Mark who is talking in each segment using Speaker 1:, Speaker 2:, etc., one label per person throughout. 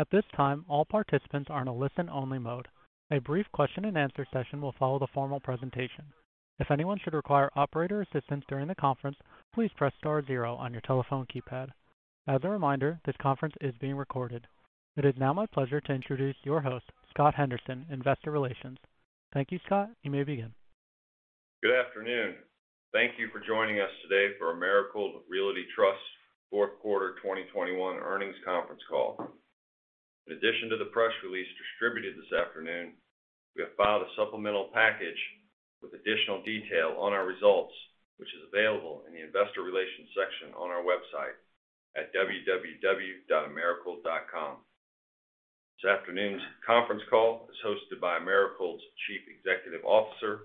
Speaker 1: At this time, all participants are in a listen-only mode. A brief question-and-answer session will follow the formal presentation. If anyone should require operator assistance during the conference, please press star zero on your telephone keypad. As a reminder, this conference is being recorded. It is now my pleasure to introduce your host, Scott Henderson, Investor Relations. Thank you, Scott. You may begin.
Speaker 2: Good afternoon. Thank you for joining us today for Americold Realty Trust fourth quarter 2021 earnings conference call. In addition to the press release distributed this afternoon, we have filed a supplemental package with additional detail on our results, which is available in the investor relations section on our website at www.americold.com. This afternoon's conference call is hosted by Americold's Chief Executive Officer,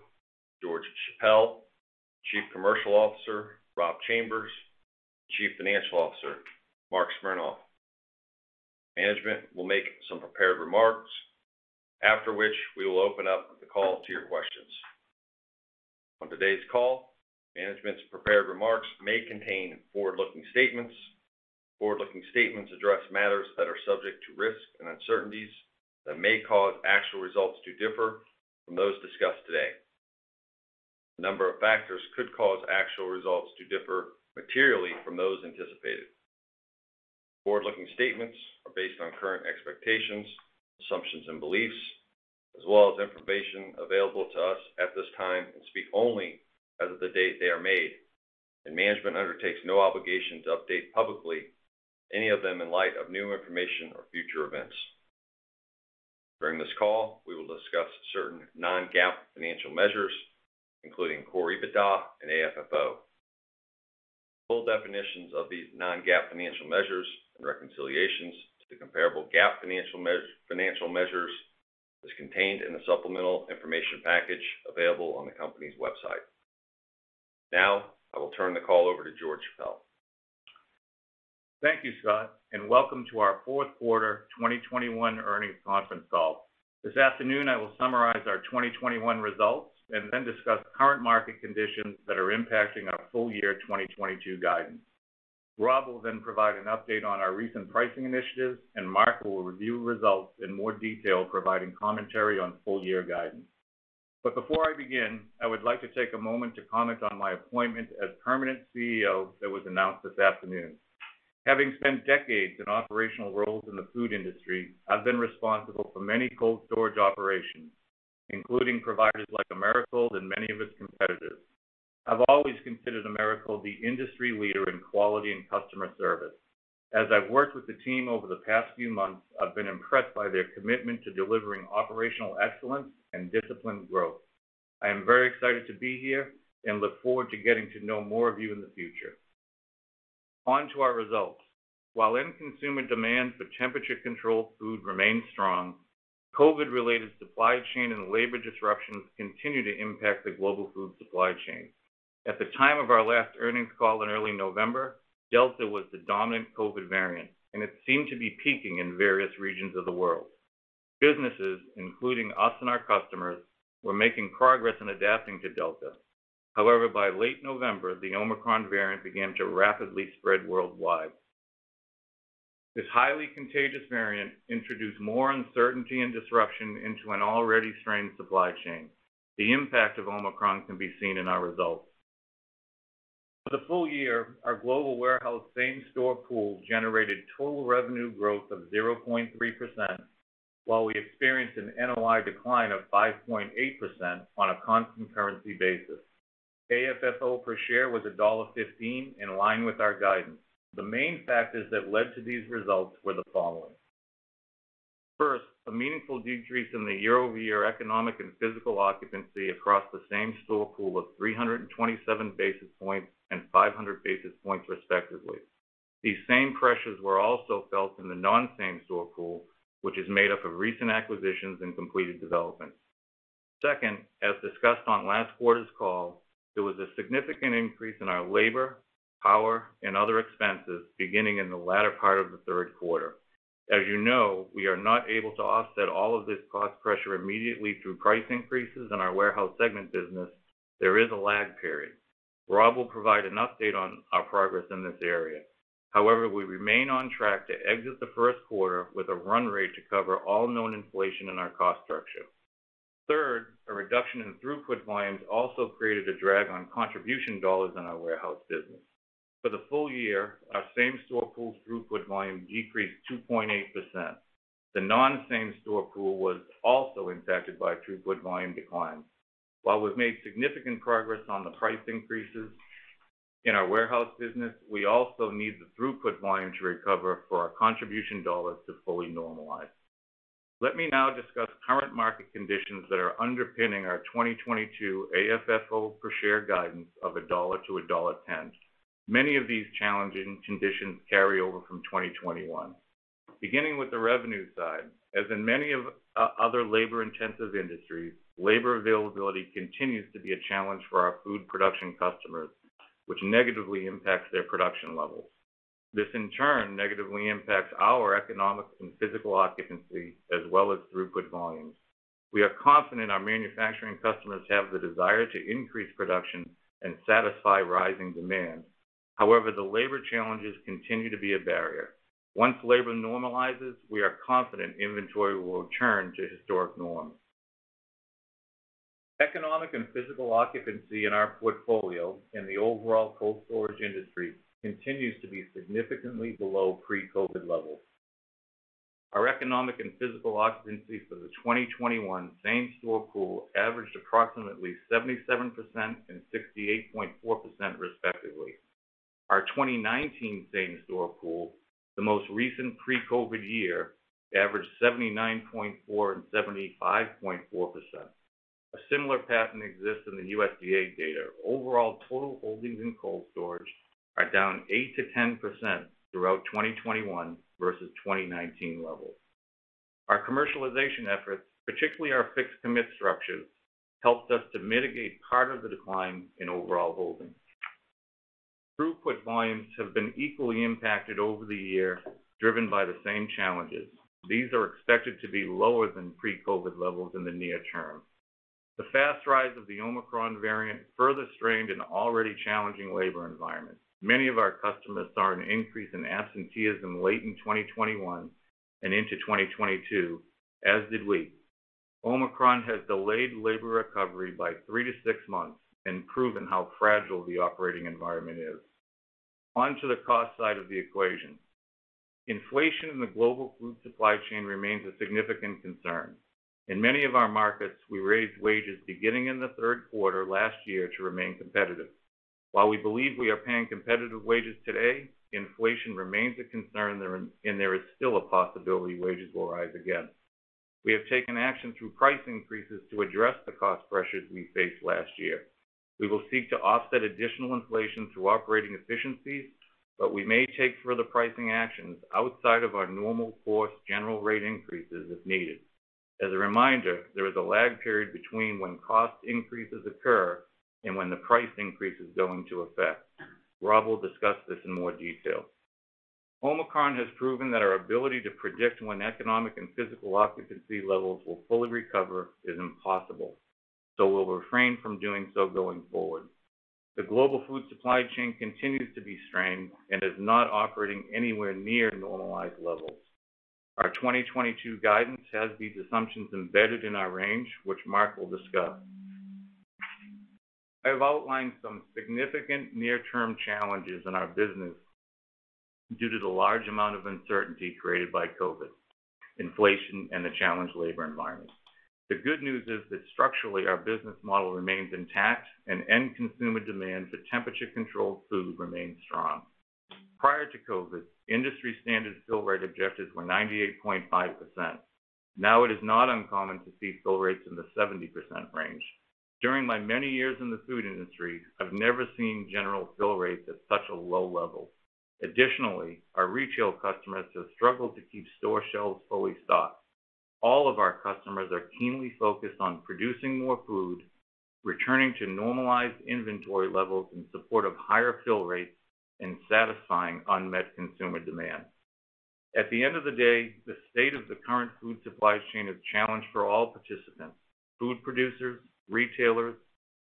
Speaker 2: George Chappelle, Chief Commercial Officer, Rob Chambers, Chief Financial Officer, Marc Smernoff. Management will make some prepared remarks, after which we will open up the call to your questions. On today's call, management's prepared remarks may contain forward-looking statements. Forward-looking statements address matters that are subject to risks and uncertainties that may cause actual results to differ from those discussed today. A number of factors could cause actual results to differ materially from those anticipated. Forward-looking statements are based on current expectations, assumptions, and beliefs, as well as information available to us at this time and speak only as of the date they are made, and management undertakes no obligation to update publicly any of them in light of new information or future events. During this call, we will discuss certain non-GAAP financial measures, including Core EBITDA and AFFO. Full definitions of these non-GAAP financial measures and reconciliations to the comparable GAAP financial measures is contained in the supplemental information package available on the company's website. Now, I will turn the call over to George Chappelle.
Speaker 3: Thank you, Scott, and welcome to our fourth quarter 2021 earnings conference call. This afternoon, I will summarize our 2021 results and then discuss current market conditions that are impacting our full year 2022 guidance. Rob will then provide an update on our recent pricing initiatives, and Marc will review results in more detail, providing commentary on full year guidance. Before I begin, I would like to take a moment to comment on my appointment as permanent CEO that was announced this afternoon. Having spent decades in operational roles in the food industry, I've been responsible for many cold storage operations, including providers like Americold and many of its competitors. I've always considered Americold the industry leader in quality and customer service. As I've worked with the team over the past few months, I've been impressed by their commitment to delivering operational excellence and disciplined growth. I am very excited to be here and look forward to getting to know more of you in the future. On to our results. While end consumer demand for temperature-controlled food remains strong, COVID-related supply chain and labor disruptions continue to impact the global food supply chain. At the time of our last earnings call in early November, Delta was the dominant COVID variant, and it seemed to be peaking in various regions of the world. Businesses, including us and our customers, were making progress in adapting to Delta. However, by late November, the Omicron variant began to rapidly spread worldwide. This highly contagious variant introduced more uncertainty and disruption into an already strained supply chain. The impact of Omicron can be seen in our results. For the full year, our global warehouse same-store pool generated total revenue growth of 0.3%, while we experienced an NOI decline of 5.8% on a constant currency basis. AFFO per share was $1.15, in line with our guidance. The main factors that led to these results were the following. First, a meaningful decrease in the year-over-year economic and physical occupancy across the same-store pool of 327 basis points and 500 basis points, respectively. These same pressures were also felt in the non-same-store pool, which is made up of recent acquisitions and completed developments. Second, as discussed on last quarter's call, there was a significant increase in our labor, power, and other expenses beginning in the latter part of the third quarter. As you know, we are not able to offset all of this cost pressure immediately through price increases in our warehouse segment business. There is a lag period. Rob will provide an update on our progress in this area. However, we remain on track to exit the first quarter with a run rate to cover all known inflation in our cost structure. Third, a reduction in throughput volumes also created a drag on contribution dollars in our warehouse business. For the full year, our same-store pool throughput volume decreased 2.8%. The non-same-store pool was also impacted by throughput volume declines. While we've made significant progress on the price increases in our warehouse business, we also need the throughput volume to recover for our contribution dollars to fully normalize. Let me now discuss current market conditions that are underpinning our 2022 AFFO per share guidance of $1-$1.10. Many of these challenging conditions carry over from 2021. Beginning with the revenue side, as in many of other labor-intensive industries, labor availability continues to be a challenge for our food production customers, which negatively impacts their production levels. This, in turn, negatively impacts our economics and physical occupancy as well as throughput volumes. We are confident our manufacturing customers have the desire to increase production and satisfy rising demand. However, the labor challenges continue to be a barrier. Once labor normalizes, we are confident inventory will return to historic norms. Economic and physical occupancy in our portfolio in the overall cold storage industry continues to be significantly below pre-COVID levels. Our economic and physical occupancy for the 2021 same-store pool averaged approximately 77% and 68.4% respectively. Our 2019 same-store pool, the most recent pre-COVID year, averaged 79.4% and 75.4%. A similar pattern exists in the USDA data. Overall, total holdings in cold storage are down 8%-10% throughout 2021 versus 2019 levels. Our commercialization efforts, particularly our fixed commit structures, helped us to mitigate part of the decline in overall holdings. Throughput volumes have been equally impacted over the year, driven by the same challenges. These are expected to be lower than pre-COVID levels in the near term. The fast rise of the Omicron variant further strained an already challenging labor environment. Many of our customers saw an increase in absenteeism late in 2021 and into 2022, as did we. Omicron has delayed labor recovery by three-six months and proven how fragile the operating environment is. On to the cost side of the equation. Inflation in the global food supply chain remains a significant concern. In many of our markets, we raised wages beginning in the third quarter last year to remain competitive. While we believe we are paying competitive wages today, inflation remains a concern and there is still a possibility wages will rise again. We have taken action through price increases to address the cost pressures we faced last year. We will seek to offset additional inflation through operating efficiencies, but we may take further pricing actions outside of our normal course general rate increases if needed. As a reminder, there is a lag period between when cost increases occur and when the price increase is going to affect. Rob will discuss this in more detail. Omicron has proven that our ability to predict when economic and physical occupancy levels will fully recover is impossible, so we'll refrain from doing so going forward. The global food supply chain continues to be strained and is not operating anywhere near normalized levels. Our 2022 guidance has these assumptions embedded in our range, which Marc will discuss. I have outlined some significant near-term challenges in our business due to the large amount of uncertainty created by COVID, inflation, and the challenged labor environment. The good news is that structurally, our business model remains intact and end consumer demand for temperature-controlled food remains strong. Prior to COVID, industry standard fill rate objectives were 98.5%. Now it is not uncommon to see fill rates in the 70% range. During my many years in the food industry, I've never seen general fill rates at such a low level. Additionally, our retail customers have struggled to keep store shelves fully stocked. All of our customers are keenly focused on producing more food, returning to normalized inventory levels in support of higher fill rates, and satisfying unmet consumer demand. At the end of the day, the state of the current food supply chain is challenged for all participants, food producers, retailers,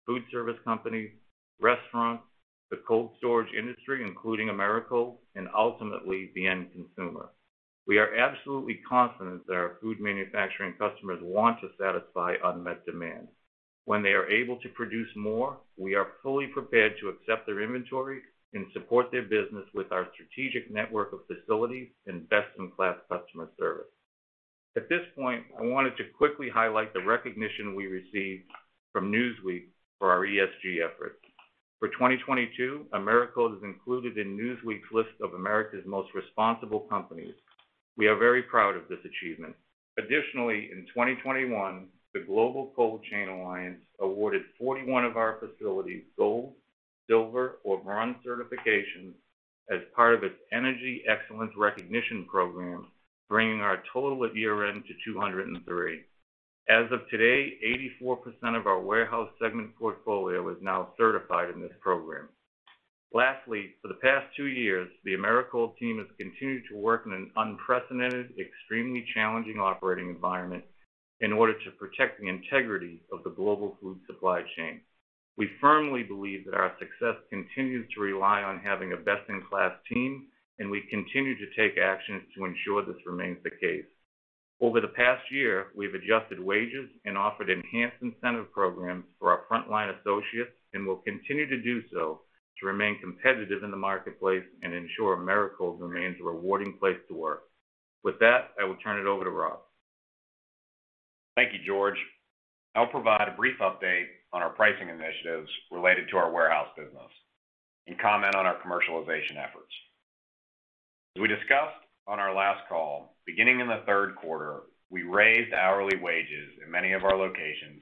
Speaker 3: food service companies, restaurants, the cold storage industry, including Americold, and ultimately, the end consumer. We are absolutely confident that our food manufacturing customers want to satisfy unmet demand. When they are able to produce more, we are fully prepared to accept their inventory and support their business with our strategic network of facilities and best-in-class customer service. At this point, I wanted to quickly highlight the recognition we received from Newsweek for our ESG efforts. For 2022, Americold is included in Newsweek's list of America's Most Responsible Companies. We are very proud of this achievement. Additionally, in 2021, the Global Cold Chain Alliance awarded 41 of our facilities Gold, Silver, or Bronze certifications as part of its Energy Excellence Recognition Program, bringing our total at year-end to 203. As of today, 84% of our warehouse segment portfolio is now certified in this program. Lastly, for the past two years, the Americold team has continued to work in an unprecedented, extremely challenging operating environment in order to protect the integrity of the global food supply chain. We firmly believe that our success continues to rely on having a best-in-class team, and we continue to take actions to ensure this remains the case. Over the past year, we've adjusted wages and offered enhanced incentive programs for our frontline associates, and will continue to do so to remain competitive in the marketplace and ensure Americold remains a rewarding place to work. With that, I will turn it over to Rob.
Speaker 4: Thank you, George. I'll provide a brief update on our pricing initiatives related to our warehouse business and comment on our commercialization efforts. As we discussed on our last call, beginning in the third quarter, we raised hourly wages in many of our locations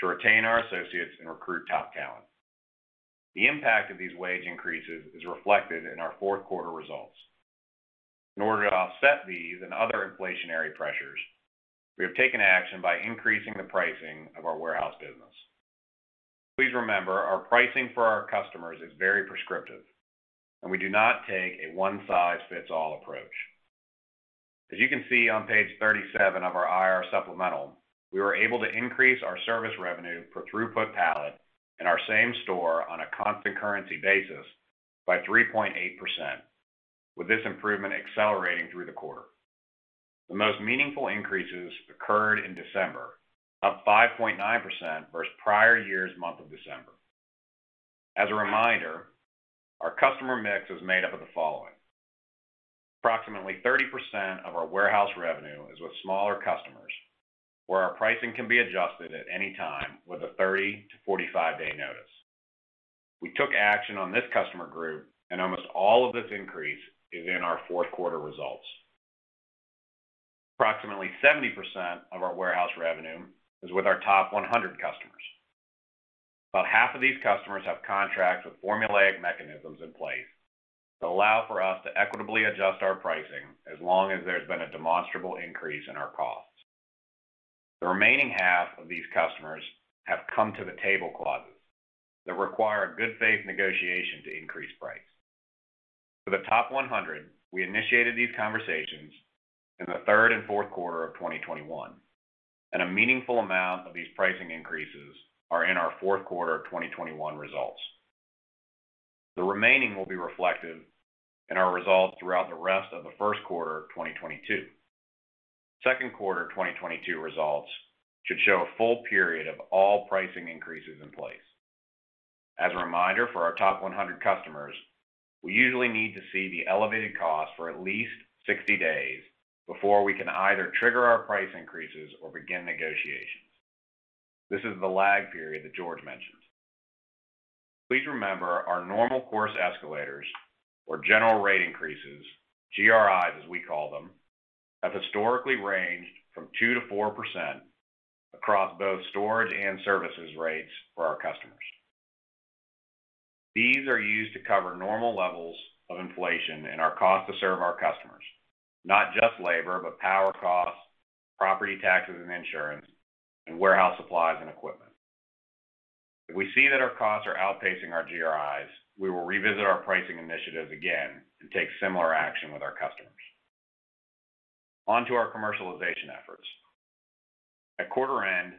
Speaker 4: to retain our associates and recruit top talent. The impact of these wage increases is reflected in our fourth quarter results. In order to offset these and other inflationary pressures, we have taken action by increasing the pricing of our warehouse business. Please remember, our pricing for our customers is very prescriptive, and we do not take a one-size-fits-all approach. As you can see on page 37 of our IR supplemental, we were able to increase our service revenue for throughput pallets in our same-store on a constant currency basis by 3.8%, with this improvement accelerating through the quarter. The most meaningful increases occurred in December, up 5.9% versus prior year's month of December. As a reminder, our customer mix is made up of the following. Approximately 30% of our warehouse revenue is with smaller customers, where our pricing can be adjusted at any time with a 30-45-day notice. We took action on this customer group, and almost all of this increase is in our fourth quarter results. Approximately 70% of our warehouse revenue is with our top 100 customers. About half of these customers have contracts with formulaic mechanisms in place that allow for us to equitably adjust our pricing as long as there's been a demonstrable increase in our costs. The remaining half of these customers have come to the table clauses that require a good faith negotiation to increase price. For the top 100, we initiated these conversations in the third and fourth quarter of 2021, and a meaningful amount of these pricing increases are in our fourth quarter of 2021 results. The remaining will be reflected in our results throughout the rest of the first quarter of 2022. Second quarter of 2022 results should show a full period of all pricing increases in place. As a reminder for our top 100 customers, we usually need to see the elevated cost for at least 60 days before we can either trigger our price increases or begin negotiations. This is the lag period that George mentioned. Please remember our normal course escalators or general rate increases, GRIs, as we call them, have historically ranged from 2%-4% across both storage and services rates for our customers. These are used to cover normal levels of inflation and our cost to serve our customers, not just labor, but power costs, property taxes and insurance, and warehouse supplies and equipment. If we see that our costs are outpacing our GRIs, we will revisit our pricing initiatives again and take similar action with our customers. On to our commercialization efforts. At quarter end,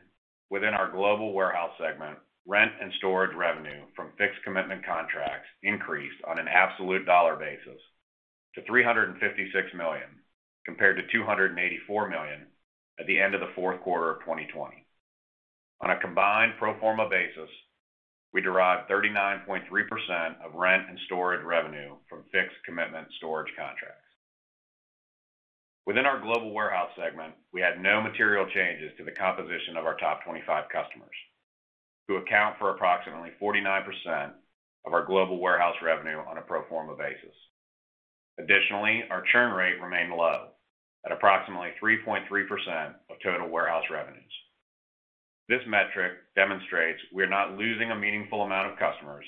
Speaker 4: within our global warehouse segment, rent and storage revenue from fixed commitment contracts increased on an absolute dollar basis to 356 million, compared to 284 million at the end of the fourth quarter of 2020. On a combined pro forma basis, we derive 39.3% of rent and storage revenue from fixed commitment storage contracts. Within our global warehouse segment, we had no material changes to the composition of our top 25 customers, who account for approximately 49% of our global warehouse revenue on a pro forma basis. Additionally, our churn rate remained low at approximately 3.3% of total warehouse revenues. This metric demonstrates we're not losing a meaningful amount of customers.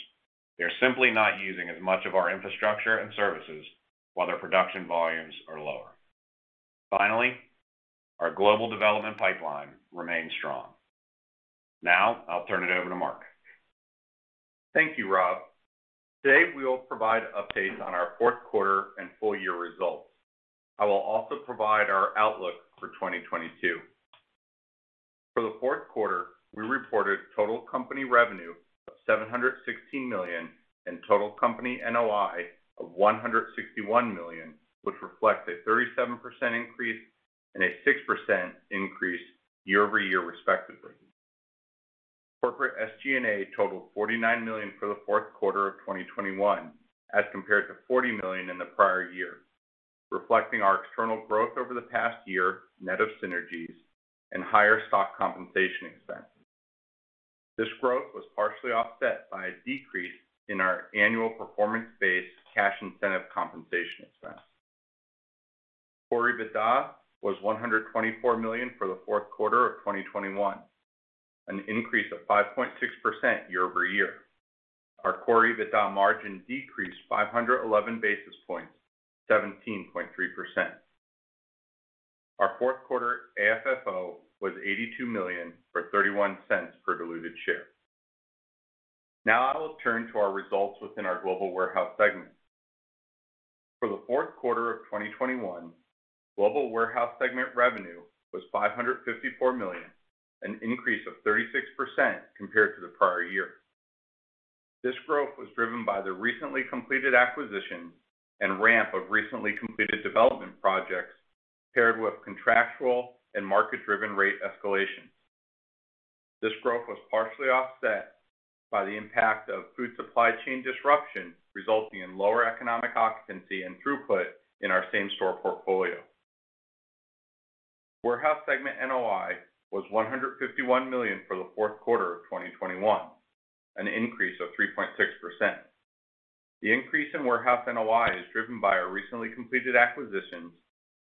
Speaker 4: They're simply not using as much of our infrastructure and services while their production volumes are lower. Finally, our global development pipeline remains strong. Now, I'll turn it over to Marc.
Speaker 5: Thank you, Rob. Today, we will provide updates on our fourth quarter and full year results. I will also provide our outlook for 2022. For the fourth quarter, we reported total company revenue of 716 million and total company NOI of 161 million, which reflects a 37% increase and a 6% increase year-over-year, respectively. Corporate SG&A totaled 49 million for the fourth quarter of 2021, as compared to 40 million in the prior year, reflecting our external growth over the past year, net of synergies and higher stock compensation expenses. This growth was partially offset by a decrease in our annual performance-based cash incentive compensation expense. Core EBITDA was $124 million for the fourth quarter of 2021, an increase of 5.6% year-over-year. Our Core EBITDA margin decreased 511 basis points to 17.3%. Our fourth quarter AFFO was 82 million, or 0.31 per diluted share. Now I will turn to our results within our global warehouse segment. For the fourth quarter of 2021, global warehouse segment revenue was 554 million, an increase of 36% compared to the prior year. This growth was driven by the recently completed acquisitions and ramp of recently completed development projects, paired with contractual and market-driven rate escalation. This growth was partially offset by the impact of food supply chain disruption, resulting in lower economic occupancy and throughput in our same-store portfolio. Warehouse segment NOI was 151 million for the fourth quarter of 2021, an increase of 3.6%. The increase in warehouse NOI is driven by our recently completed acquisitions,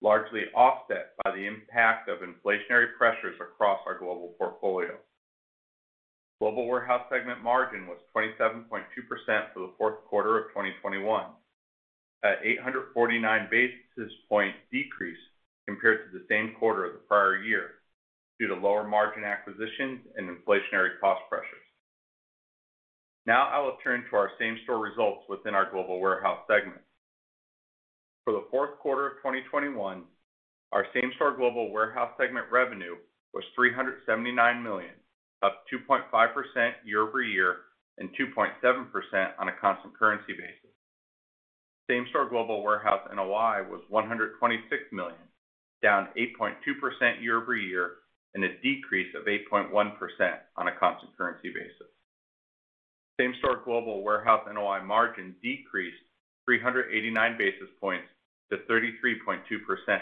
Speaker 5: largely offset by the impact of inflationary pressures across our global portfolio. Global warehouse segment margin was 27.2% for the fourth quarter of 2021. An 849 basis point decrease compared to the same quarter of the prior year due to lower margin acquisitions and inflationary cost pressures. Now I will turn to our same-store results within our global warehouse segment. For the fourth quarter of 2021, our same-store global warehouse segment revenue was 379 million, up 2.5% year-over-year and 2.7% on a constant currency basis. Same-store global warehouse NOI was 126 million, down 8.2% year-over-year and a decrease of 8.1% on a constant currency basis. Same-store global warehouse NOI margin decreased 389 basis points to 33.2%.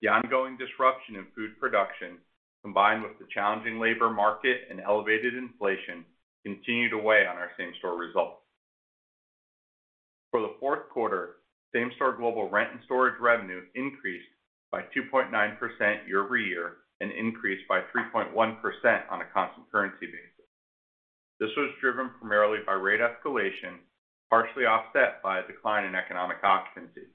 Speaker 5: The ongoing disruption in food production, combined with the challenging labor market and elevated inflation, continued to weigh on our same-store results. For the fourth quarter, same-store global rent and storage revenue increased by 2.9% year-over-year and increased by 3.1% on a constant currency basis. This was driven primarily by rate escalation, partially offset by a decline in economic occupancy.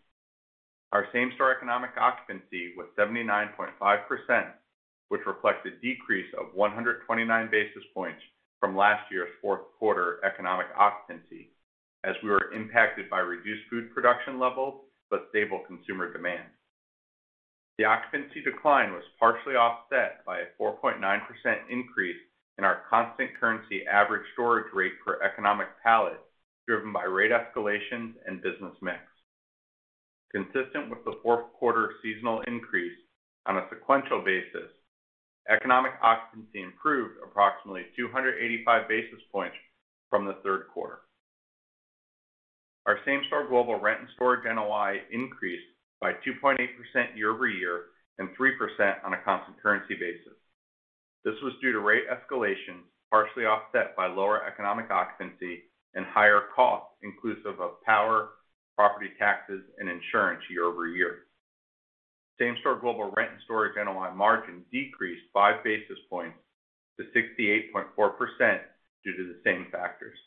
Speaker 5: Our same-store economic occupancy was 79.5%, which reflects a decrease of 129 basis points from last year's fourth quarter economic occupancy, as we were impacted by reduced food production levels but stable consumer demand. The occupancy decline was partially offset by a 4.9% increase in our constant currency average storage rate per economic pallet, driven by rate escalations and business mix. Consistent with the fourth quarter seasonal increase on a sequential basis, economic occupancy improved approximately 285 basis points from the third quarter. Our same-store global rent and storage NOI increased by 2.8% year-over-year and 3% on a constant currency basis. This was due to rate escalations, partially offset by lower economic occupancy and higher costs inclusive of power, property taxes, and insurance year-over-year. Same-store global rent and storage NOI margin decreased 5 basis points to 68.4% due to the same factors.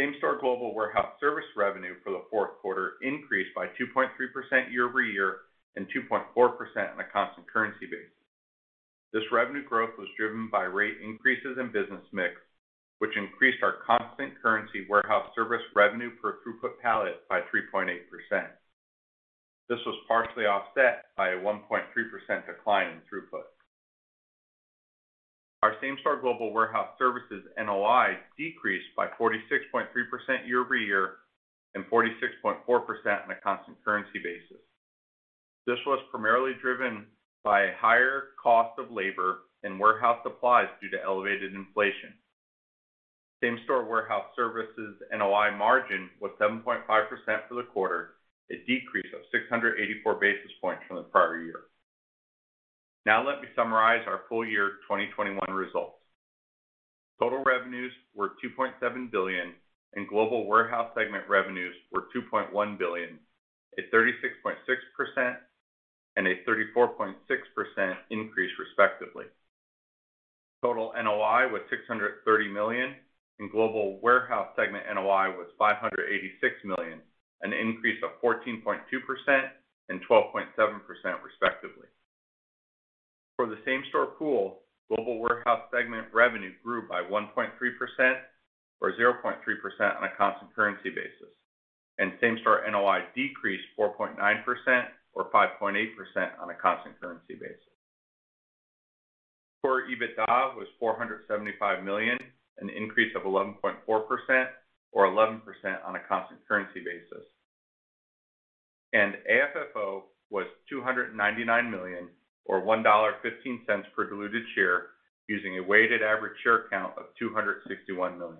Speaker 5: Same-store global warehouse service revenue for the fourth quarter increased by 2.3% year-over-year and 2.4% on a constant currency basis. This revenue growth was driven by rate increases in business mix, which increased our constant currency warehouse service revenue per throughput pallet by 3.8%. This was partially offset by a 1.3% decline in throughput. Our same-store global warehouse services NOI decreased by 46.3% year-over-year and 46.4% on a constant currency basis. This was primarily driven by higher cost of labor and warehouse supplies due to elevated inflation. Same-store warehouse services NOI margin was 7.5% for the quarter, a decrease of 684 basis points from the prior year. Now let me summarize our full year 2021 results. Total revenues were 2.7 billion, and global warehouse segment revenues were 2.1 billion, a 36.6% and a 34.6% increase respectively. Total NOI was 630 million, and global warehouse segment NOI was 586 million, an increase of 14.2% and 12.7% respectively. For the same-store pool, global warehouse segment revenue grew by 1.3% or 0.3% on a constant currency basis, and same-store NOI decreased 4.9% or 5.8% on a constant currency basis. Core EBITDA was 475 million, an increase of 11.4% or 11% on a constant currency basis. AFFO was 299 million or 1.15 per diluted share using a weighted average share count of 261 million.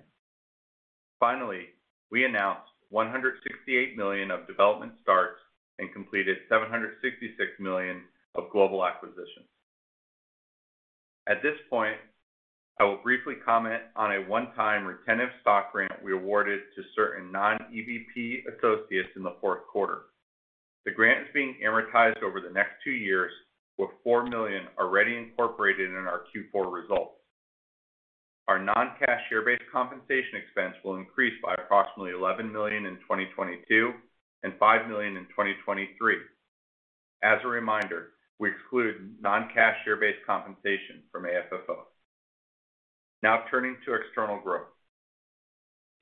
Speaker 5: Finally, we announced 168 million of development starts and completed 766 million of global acquisitions. At this point, I will briefly comment on a one-time retention stock grant we awarded to certain non-EVP associates in the fourth quarter. The grant is being amortized over the next two years, with 4 million already incorporated in our Q4 results. Our non-cash share-based compensation expense will increase by approximately 11 million in 2022 and 5 million in 2023. As a reminder, we exclude non-cash share-based compensation from AFFO. Now turning to external growth.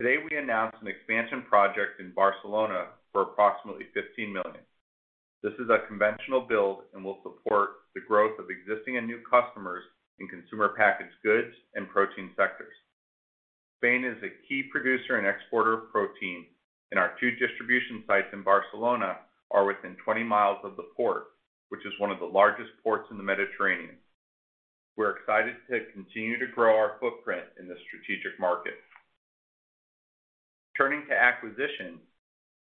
Speaker 5: Today, we announced an expansion project in Barcelona for approximately 15 million. This is a conventional build and will support the growth of existing and new customers in consumer packaged goods and protein sectors. Spain is a key producer and exporter of protein, and our two distribution sites in Barcelona are within 20 miles of the port, which is one of the largest ports in the Mediterranean. We're excited to continue to grow our footprint in this strategic market. Turning to acquisitions,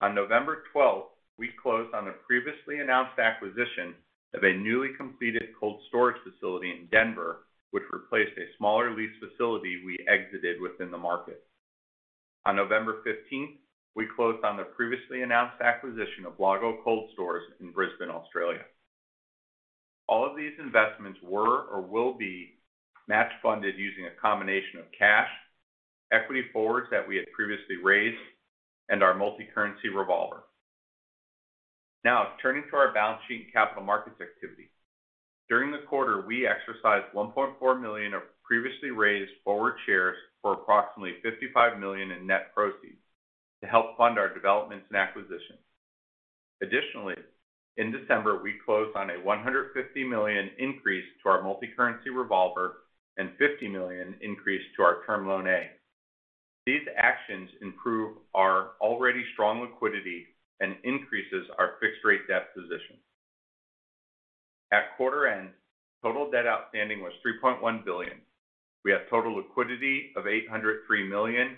Speaker 5: on November 12, we closed on the previously announced acquisition of a newly completed cold storage facility in Denver, which replaced a smaller lease facility we exited within the market. On November 15, we closed on the previously announced acquisition of Lago Cold Stores in Brisbane, Australia. All of these investments were or will be match funded using a combination of cash, equity forwards that we had previously raised, and our multicurrency revolver. Now turning to our balance sheet and capital markets activity. During the quarter, we exercised 1.4 million of previously raised forward shares for approximately 55 million in net proceeds to help fund our developments and acquisitions. Additionally, in December, we closed on a 150 million increase to our multicurrency revolver and 50 million increase to our term loan A. These actions improve our already strong liquidity and increases our fixed rate debt position. At quarter end, total debt outstanding was 3.1 billion. We have total liquidity of 803 million,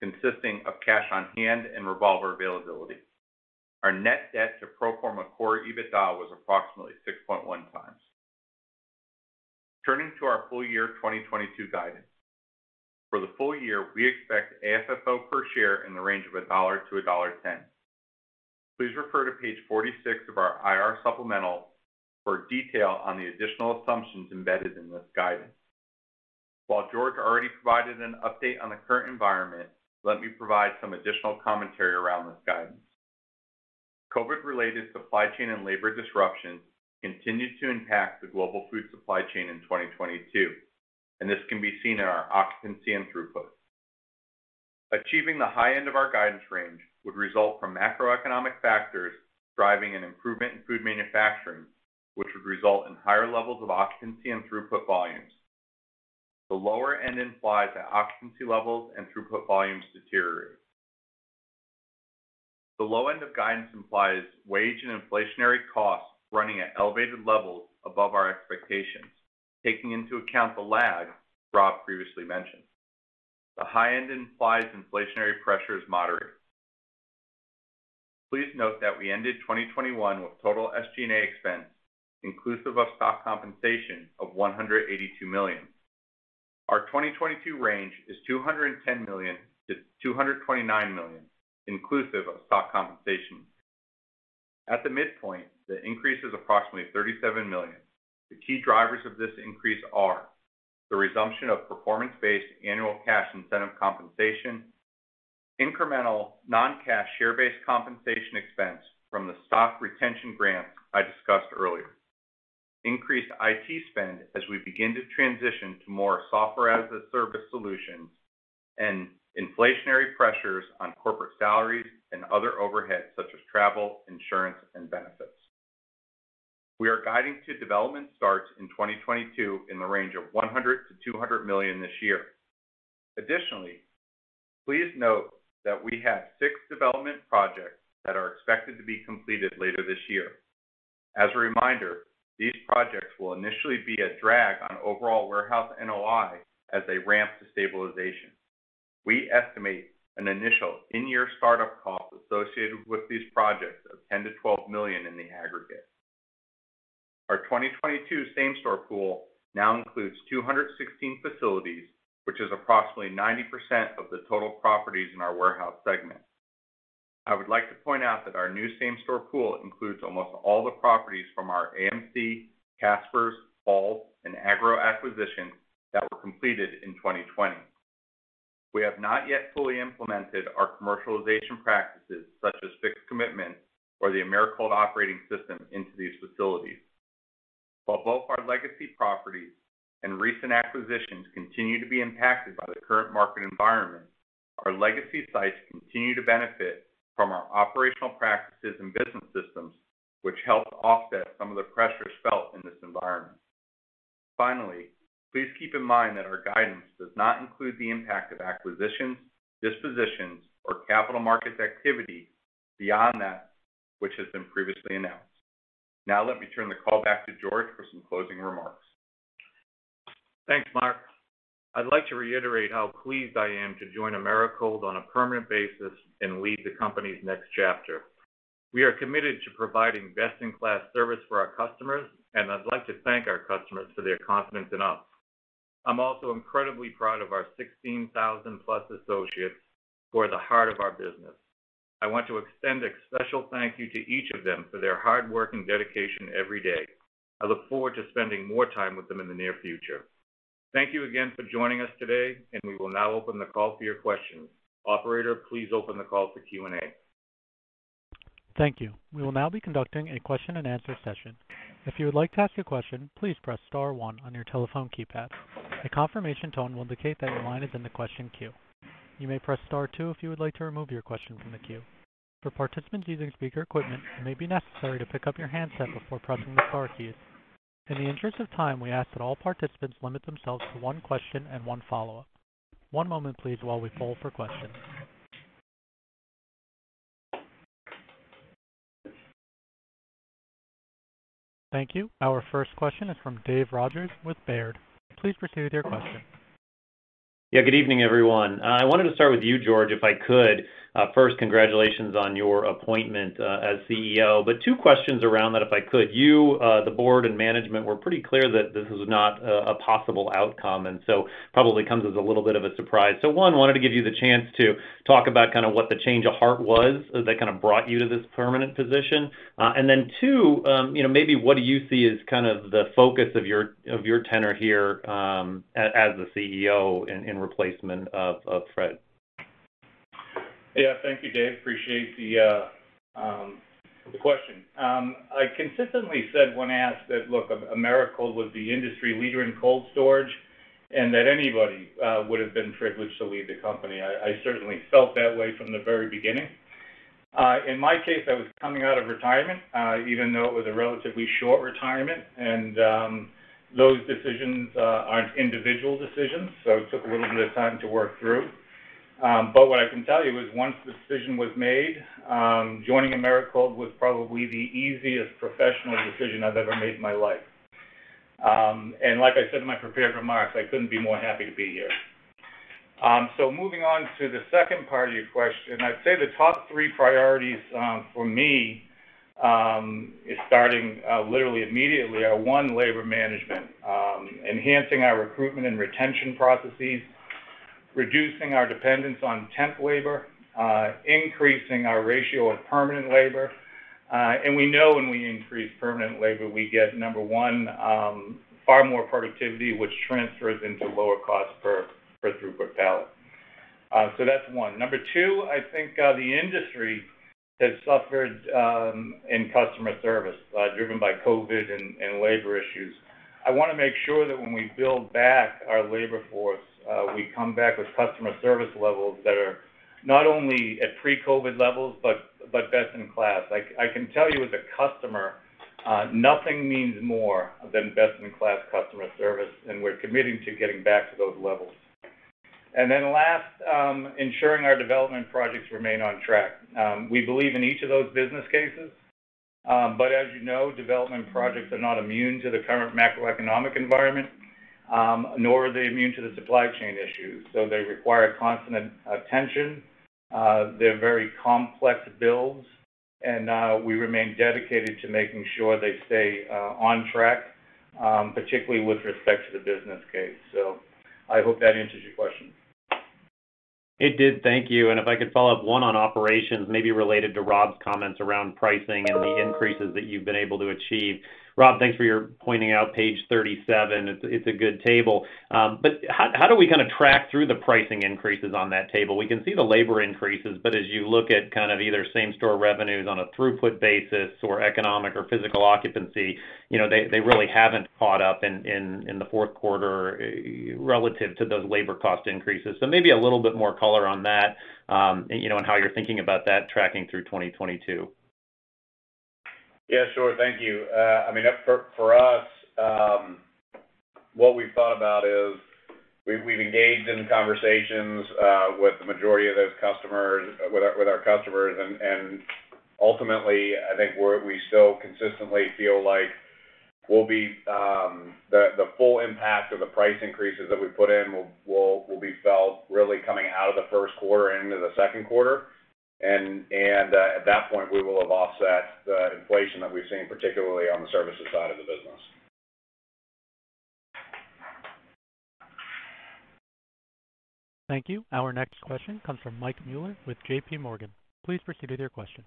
Speaker 5: consisting of cash on hand and revolver availability. Our net debt to pro forma Core EBITDA was approximately 6.1x. Turning to our full year 2022 guidance. For the full year, we expect AFFO per share in the range of $1-$1.10. Please refer to page 46 of our IR supplemental for detail on the additional assumptions embedded in this guidance. While George already provided an update on the current environment, let me provide some additional commentary around this guidance. COVID-related supply chain and labor disruptions continued to impact the global food supply chain in 2022, and this can be seen in our occupancy and throughput. Achieving the high end of our guidance range would result from macroeconomic factors driving an improvement in food manufacturing, which would result in higher levels of occupancy and throughput volumes. The lower end implies that occupancy levels and throughput volumes deteriorate. The low end of guidance implies wage and inflationary costs running at elevated levels above our expectations, taking into account the lag Rob previously mentioned. The high end implies inflationary pressure is moderate. Please note that we ended 2021 with total SG&A expense inclusive of stock compensation of 182 million. Our 2022 range is 210 million-229 million, inclusive of stock compensation. At the midpoint, the increase is approximately 37 million. The key drivers of this increase are the resumption of performance-based annual cash incentive compensation, incremental non-cash share-based compensation expense from the stock retention grants I discussed earlier, increased IT spend as we begin to transition to more software as a service solution, and inflationary pressures on corporate salaries and other overheads such as travel, insurance, and benefits. We are guiding to development starts in 2022 in the range of 100 million-200 million this year. Additionally, please note that we have six development projects that are expected to be completed later this year. As a reminder, these projects will initially be a drag on overall warehouse NOI as they ramp to stabilization. We estimate an initial in-year start-up cost associated with these projects of 10 million-12 million in the aggregate. Our 2022 same-store pool now includes 216 facilities, which is approximately 90% of the total properties in our warehouse segment. I would like to point out that our new same-store pool includes almost all the properties from our AGRO Merchants, Caspers, Halls, and AGRO acquisitions that were completed in 2020. We have not yet fully implemented our commercialization practices, such as fixed commitment or the Americold Operating System into these facilities. While both our legacy properties and recent acquisitions continue to be impacted by the current market environment, our legacy sites continue to benefit from our operational practices and business systems, which help offset some of the pressures felt in this environment. Finally, please keep in mind that our guidance does not include the impact of acquisitions, dispositions, or capital markets activity beyond that which has been previously announced. Now let me turn the call back to George for some closing remarks.
Speaker 3: Thanks, Marc. I'd like to reiterate how pleased I am to join Americold on a permanent basis and lead the company's next chapter. We are committed to providing best-in-class service for our customers, and I'd like to thank our customers for their confidence in us. I'm also incredibly proud of our 16,000+ associates who are the heart of our business. I want to extend a special thank you to each of them for their hard work and dedication every day. I look forward to spending more time with them in the near future. Thank you again for joining us today, and we will now open the call for your questions. Operator, please open the call for Q&A.
Speaker 1: Thank you. We will now be conducting a question and answer session. If you would like to ask a question, please press star one on your telephone keypad. A confirmation tone will indicate that your line is in the question queue. You may press star two if you would like to remove your question from the queue. For participants using speaker equipment, it may be necessary to pick up your handset before pressing the star keys. In the interest of time, we ask that all participants limit themselves to one question and one follow-up. One moment, please, while we poll for questions. Thank you. Our first question is from Dave Rodgers with Baird. Please proceed with your question.
Speaker 6: Yeah, good evening, everyone. I wanted to start with you, George, if I could. First, congratulations on your appointment as CEO. Two questions around that, if I could. You, the board and management were pretty clear that this is not a possible outcome, and so probably comes as a little bit of a surprise. One, wanted to give you the chance to talk about kind of what the change of heart was that kind of brought you to this permanent position. And then two, you know, maybe what do you see as kind of the focus of your tenure here as the CEO in replacement of Fred?
Speaker 3: Yeah, thank you, Dave. Appreciate the question. I consistently said when asked that, look, Americold was the industry leader in cold storage and that anybody would have been privileged to lead the company. I certainly felt that way from the very beginning. In my case, I was coming out of retirement, even though it was a relatively short retirement. Those decisions are individual decisions, so it took a little bit of time to work through. What I can tell you is, once the decision was made, joining Americold was probably the easiest professional decision I've ever made in my life. Like I said in my prepared remarks, I couldn't be more happy to be here. Moving on to the second part of your question. I'd say the top three priorities for me is starting literally immediately are, one, labor management. Enhancing our recruitment and retention processes, reducing our dependence on temp labor, increasing our ratio of permanent labor. We know when we increase permanent labor, we get, number one, far more productivity, which transfers into lower cost per throughput pallet. That's one. Number two, I think, the industry has suffered in customer service driven by COVID and labor issues. I wanna make sure that when we build back our labor force, we come back with customer service levels that are not only at pre-COVID levels, but best in class. I can tell you as a customer, nothing means more than best-in-class customer service, and we're committing to getting back to those levels. Last, ensuring our development projects remain on track. We believe in each of those business cases, but as you know, development projects are not immune to the current macroeconomic environment, nor are they immune to the supply chain issues. They require constant attention. They're very complex builds, and we remain dedicated to making sure they stay on track, particularly with respect to the business case. I hope that answers your question.
Speaker 7: It did. Thank you. If I could follow up, one on operations, maybe related to Rob's comments around pricing and the increases that you've been able to achieve. Rob, thanks for your pointing out page 37. It's a good table. But how do we kinda track through the pricing increases on that table? We can see the labor increases, but as you look at kind of either same-store revenues on a throughput basis or economic or physical occupancy, you know, they really haven't caught up in the fourth quarter relative to those labor cost increases. So maybe a little bit more color on that, and, you know, and how you're thinking about that tracking through 2022.
Speaker 4: Yeah, sure. Thank you. I mean, for us, what we've thought about is we've engaged in conversations with the majority of those customers, with our customers. At that point, we will have offset the inflation that we've seen, particularly on the services side of the business.
Speaker 1: Thank you. Our next question comes from Mike Mueller with JPMorgan. Please proceed with your question.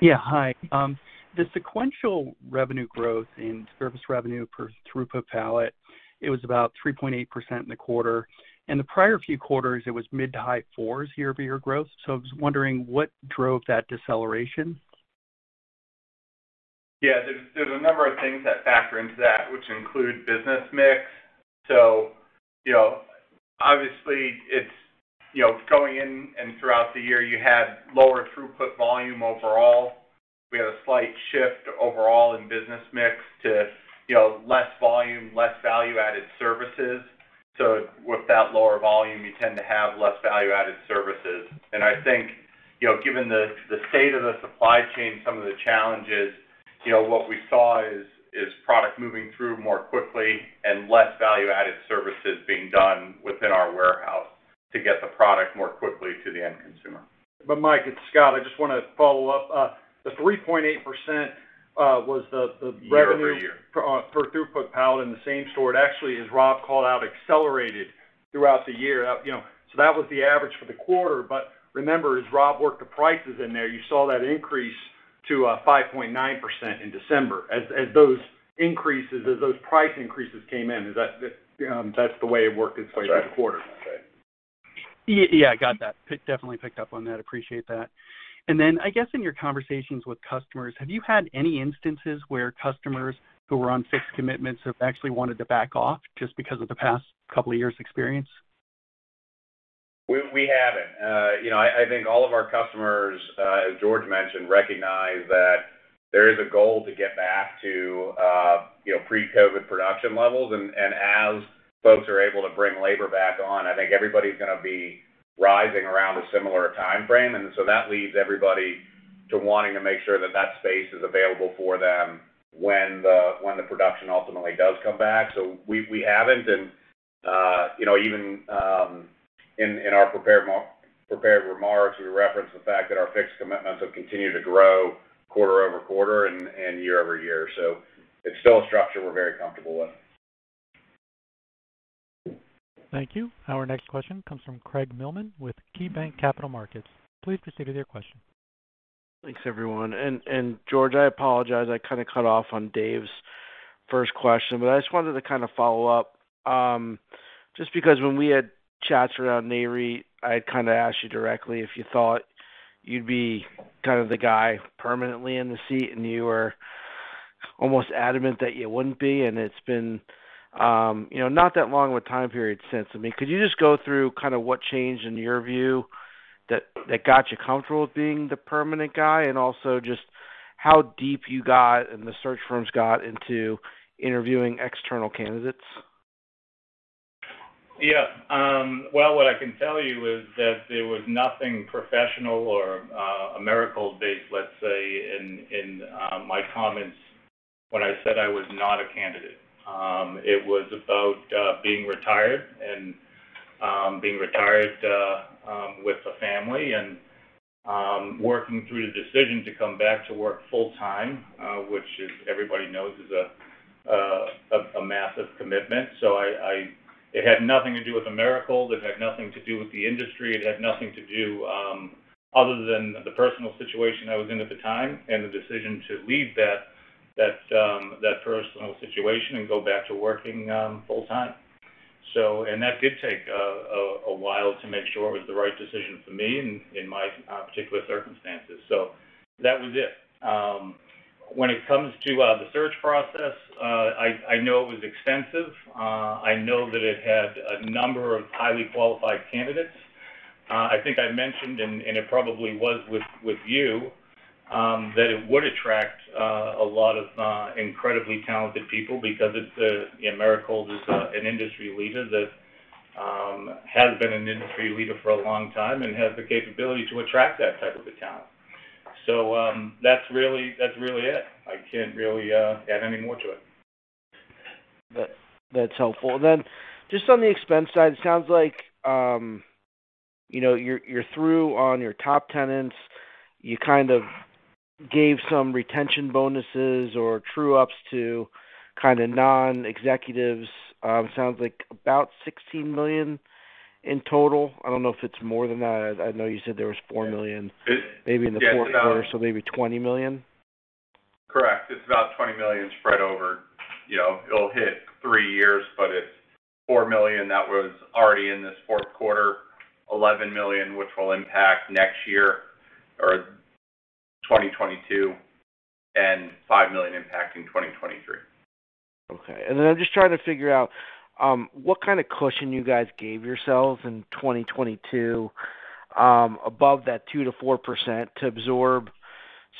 Speaker 8: The sequential revenue growth in service revenue per throughput pallet, it was about 3.8% in the quarter. In the prior few quarters, it was mid- to-high-4s year-over-year growth. I was wondering what drove that deceleration.
Speaker 3: Yeah. There's a number of things that factor into that, which include business mix. You know, obviously it's, you know, going in and throughout the year, you had lower throughput volume overall. We had a slight shift overall in business mix to, you know, less volume, less value-added services. With that lower volume, you tend to have less value-added services. I think, you know, given the state of the supply chain, some of the challenges, you know, what we saw is product moving through more quickly and less value-added services being done within our warehouse to get the product more quickly to the end consumer.
Speaker 2: Mike, it's Scott. I just wanna follow up. The 3.8% was the revenue.
Speaker 4: Year-over-year.
Speaker 2: Per throughput pallet in the same-store. It actually, as Rob called out, accelerated throughout the year. You know, that was the average for the quarter. Remember, as Rob worked the prices in there, you saw that increase to 5.9% in December as those price increases came in. That's the way it worked its way through the quarter.
Speaker 4: That's right.
Speaker 8: Yeah. Yeah, got that. Definitely picked up on that. Appreciate that. I guess in your conversations with customers, have you had any instances where customers who were on fixed commitments have actually wanted to back off just because of the past couple of years experience?
Speaker 4: We haven't. You know, I think all of our customers, as George mentioned, recognize that there is a goal to get back to, you know, pre-COVID production levels. As folks are able to bring labor back on, I think everybody's gonna be rising around a similar timeframe. That leads everybody to wanting to make sure that that space is available for them when the production ultimately does come back. We haven't. You know, even in our prepared remarks, we reference the fact that our fixed commitments have continued to grow quarter-over-quarter and year-over-year. It's still a structure we're very comfortable with.
Speaker 1: Thank you. Our next question comes from Craig Mailman with KeyBanc Capital Markets. Please proceed with your question.
Speaker 9: Thanks everyone. George, I apologize, I kind of cut off on Dave's first question, but I just wanted to kind of follow up. Just because when we had chats around Nareit, I kind of asked you directly if you thought you'd be kind of the guy permanently in the seat, and you were almost adamant that you wouldn't be. It's been, you know, not that long with time period since. I mean, could you just go through kind of what changed in your view that got you comfortable with being the permanent guy? Also just how deep you got and the search firms got into interviewing external candidates.
Speaker 3: Yeah. Well, what I can tell you is that there was nothing professional or Americold based, let's say in my comments when I said I was not a candidate. It was about being retired with the family and working through the decision to come back to work full-time, which everybody knows is a massive commitment. It had nothing to do with Americold, it had nothing to do with the industry, it had nothing to do other than the personal situation I was in at the time and the decision to leave that personal situation and go back to working full-time. That did take a while to make sure it was the right decision for me in my particular circumstances.
Speaker 5: That was it. When it comes to the search process, I know it was extensive. I know that it had a number of highly qualified candidates. I think I mentioned, and it probably was with you, that it would attract a lot of incredibly talented people because it's a, you know, Americold is an industry leader that has been an industry leader for a long time and has the capability to attract that type of a talent. That's really it. I can't really add any more to it.
Speaker 9: That's helpful. Then just on the expense side, it sounds like you're through on your top tenants. You kind of gave some retention bonuses or true ups to kind of non-executives. Sounds like about 16 million in total. I don't know if it's more than that. I know you said there was 4 million maybe in the fourth quarter, so maybe 20 million.
Speaker 5: Correct. It's about 20 million spread over, you know, it'll hit three years, but it's 4 million that was already in this fourth quarter, 11 million, which will impact next year or 2022, and 5 million impact in 2023.
Speaker 9: Okay. I'm just trying to figure out what kind of cushion you guys gave yourselves in 2022 above that 2%-4% to absorb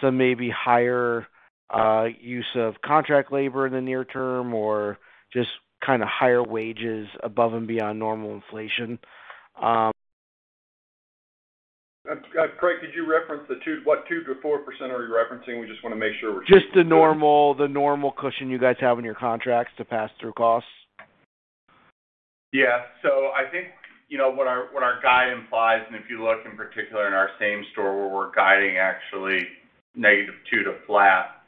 Speaker 9: some maybe higher use of contract labor in the near term or just kind of higher wages above and beyond normal inflation.
Speaker 5: Craig, what 2%-4% are you referencing? We just wanna make sure we're-
Speaker 9: Just the normal cushion you guys have in your contracts to pass through costs.
Speaker 5: Yeah. I think, you know, what our guide implies, and if you look in particular in our same-store where we're guiding actually -2% to flat,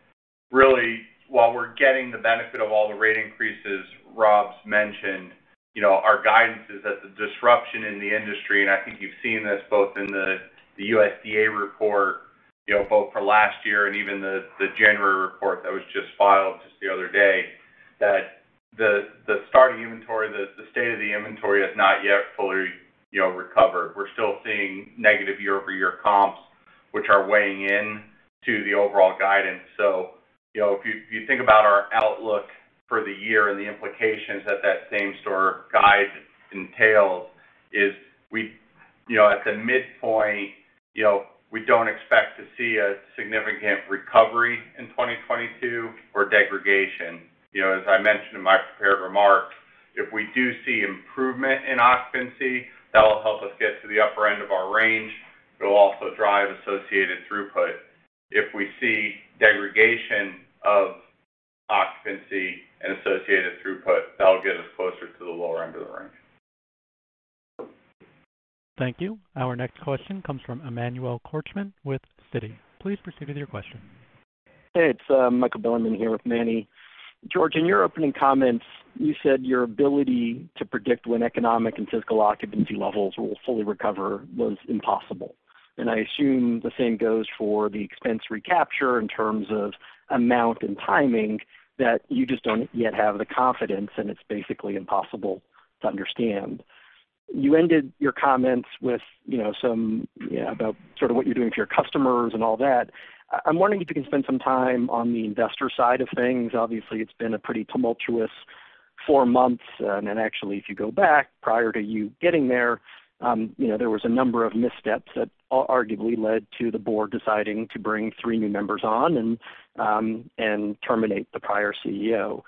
Speaker 5: really while we're getting the benefit of all the rate increases Rob's mentioned, you know, our guidance is that the disruption in the industry, and I think you've seen this both in the USDA report, you know, both for last year and even the January report that was just filed just the other day, that the starting inventory, the state of the inventory has not yet fully, you know, recovered. We're still seeing negative year-over-year comps, which are weighing in to the overall guidance. You know, if you think about our outlook for the year and the implications that same store guide entails is we, you know, at the midpoint, you know, we don't expect to see a significant recovery in 2022 or degradation. You know, as I mentioned in my prepared remarks, if we do see improvement in occupancy, that'll help us get to the upper end of our range. It'll also drive associated throughput. If we see degradation of occupancy and associated throughput, that'll get us closer to the lower end of the range.
Speaker 1: Thank you. Our next question comes from Emmanuel Korchman with Citi. Please proceed with your question.
Speaker 10: Hey, it's Michael Bilerman here with Manny. George, in your opening comments, you said your ability to predict when economic and physical occupancy levels will fully recover was impossible. I assume the same goes for the expense recapture in terms of amount and timing that you just don't yet have the confidence, and it's basically impossible to understand. You ended your comments with, you know, some, you know, about sort of what you're doing for your customers and all that. I'm wondering if you can spend some time on the investor side of things. Obviously, it's been a pretty tumultuous four months. Actually if you go back prior to you getting there, you know, there was a number of missteps that arguably led to the board deciding to bring three new members on and terminate the prior CEO.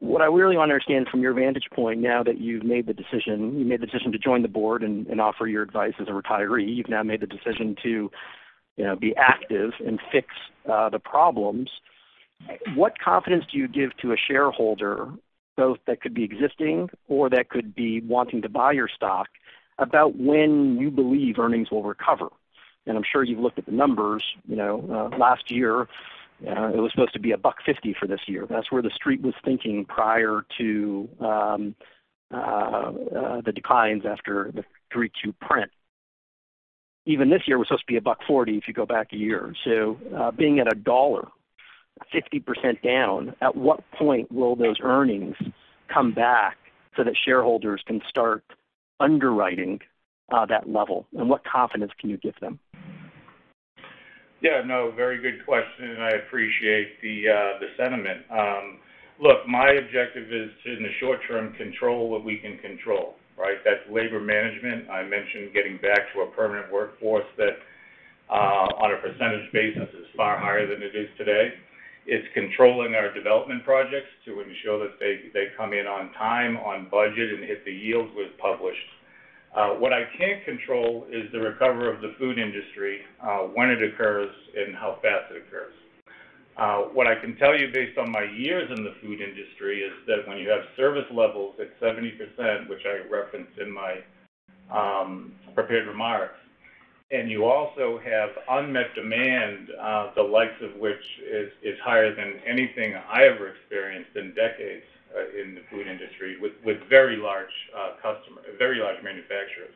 Speaker 10: What I really want to understand from your vantage point, now that you've made the decision to join the board and offer your advice as a retiree. You've now made the decision to, you know, be active and fix the problems. What confidence do you give to a shareholder, both that could be existing or that could be wanting to buy your stock, about when you believe earnings will recover? I'm sure you've looked at the numbers, you know, last year. It was supposed to be 1.50 for this year. That's where the street was thinking prior to the declines after the 3Q print. Even this year was supposed to be $1.40 if you go back a year. Being at $1, 50% down, at what point will those earnings come back so that shareholders can start underwriting that level? What confidence can you give them?
Speaker 3: Yeah, no, very good question, and I appreciate the the sentiment. Look, my objective is to, in the short term, control what we can control, right? That's labor management. I mentioned getting back to a permanent workforce that, on a percentage basis is far higher than it is today. It's controlling our development projects to ensure that they come in on time, on budget, and hit the yields we've published. What I can't control is the recovery of the food industry, when it occurs and how fast it occurs. What I can tell you based on my years in the food industry is that when you have service levels at 70%, which I referenced in my prepared remarks, and you also have unmet demand, the likes of which is higher than anything I ever experienced in decades in the food industry with very large manufacturers.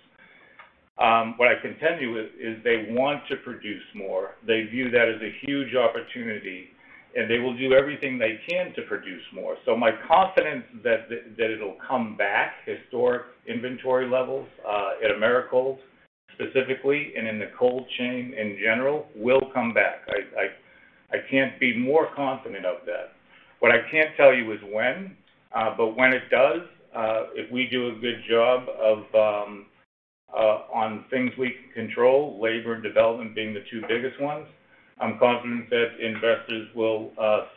Speaker 3: What I can tell you is they want to produce more. They view that as a huge opportunity, and they will do everything they can to produce more. My confidence is that it'll come back. Historic inventory levels at Americold specifically and in the cold chain in general will come back. I can't be more confident of that. What I can't tell you is when, but when it does, if we do a good job of on things we can control, labor and development being the two biggest ones, I'm confident that investors will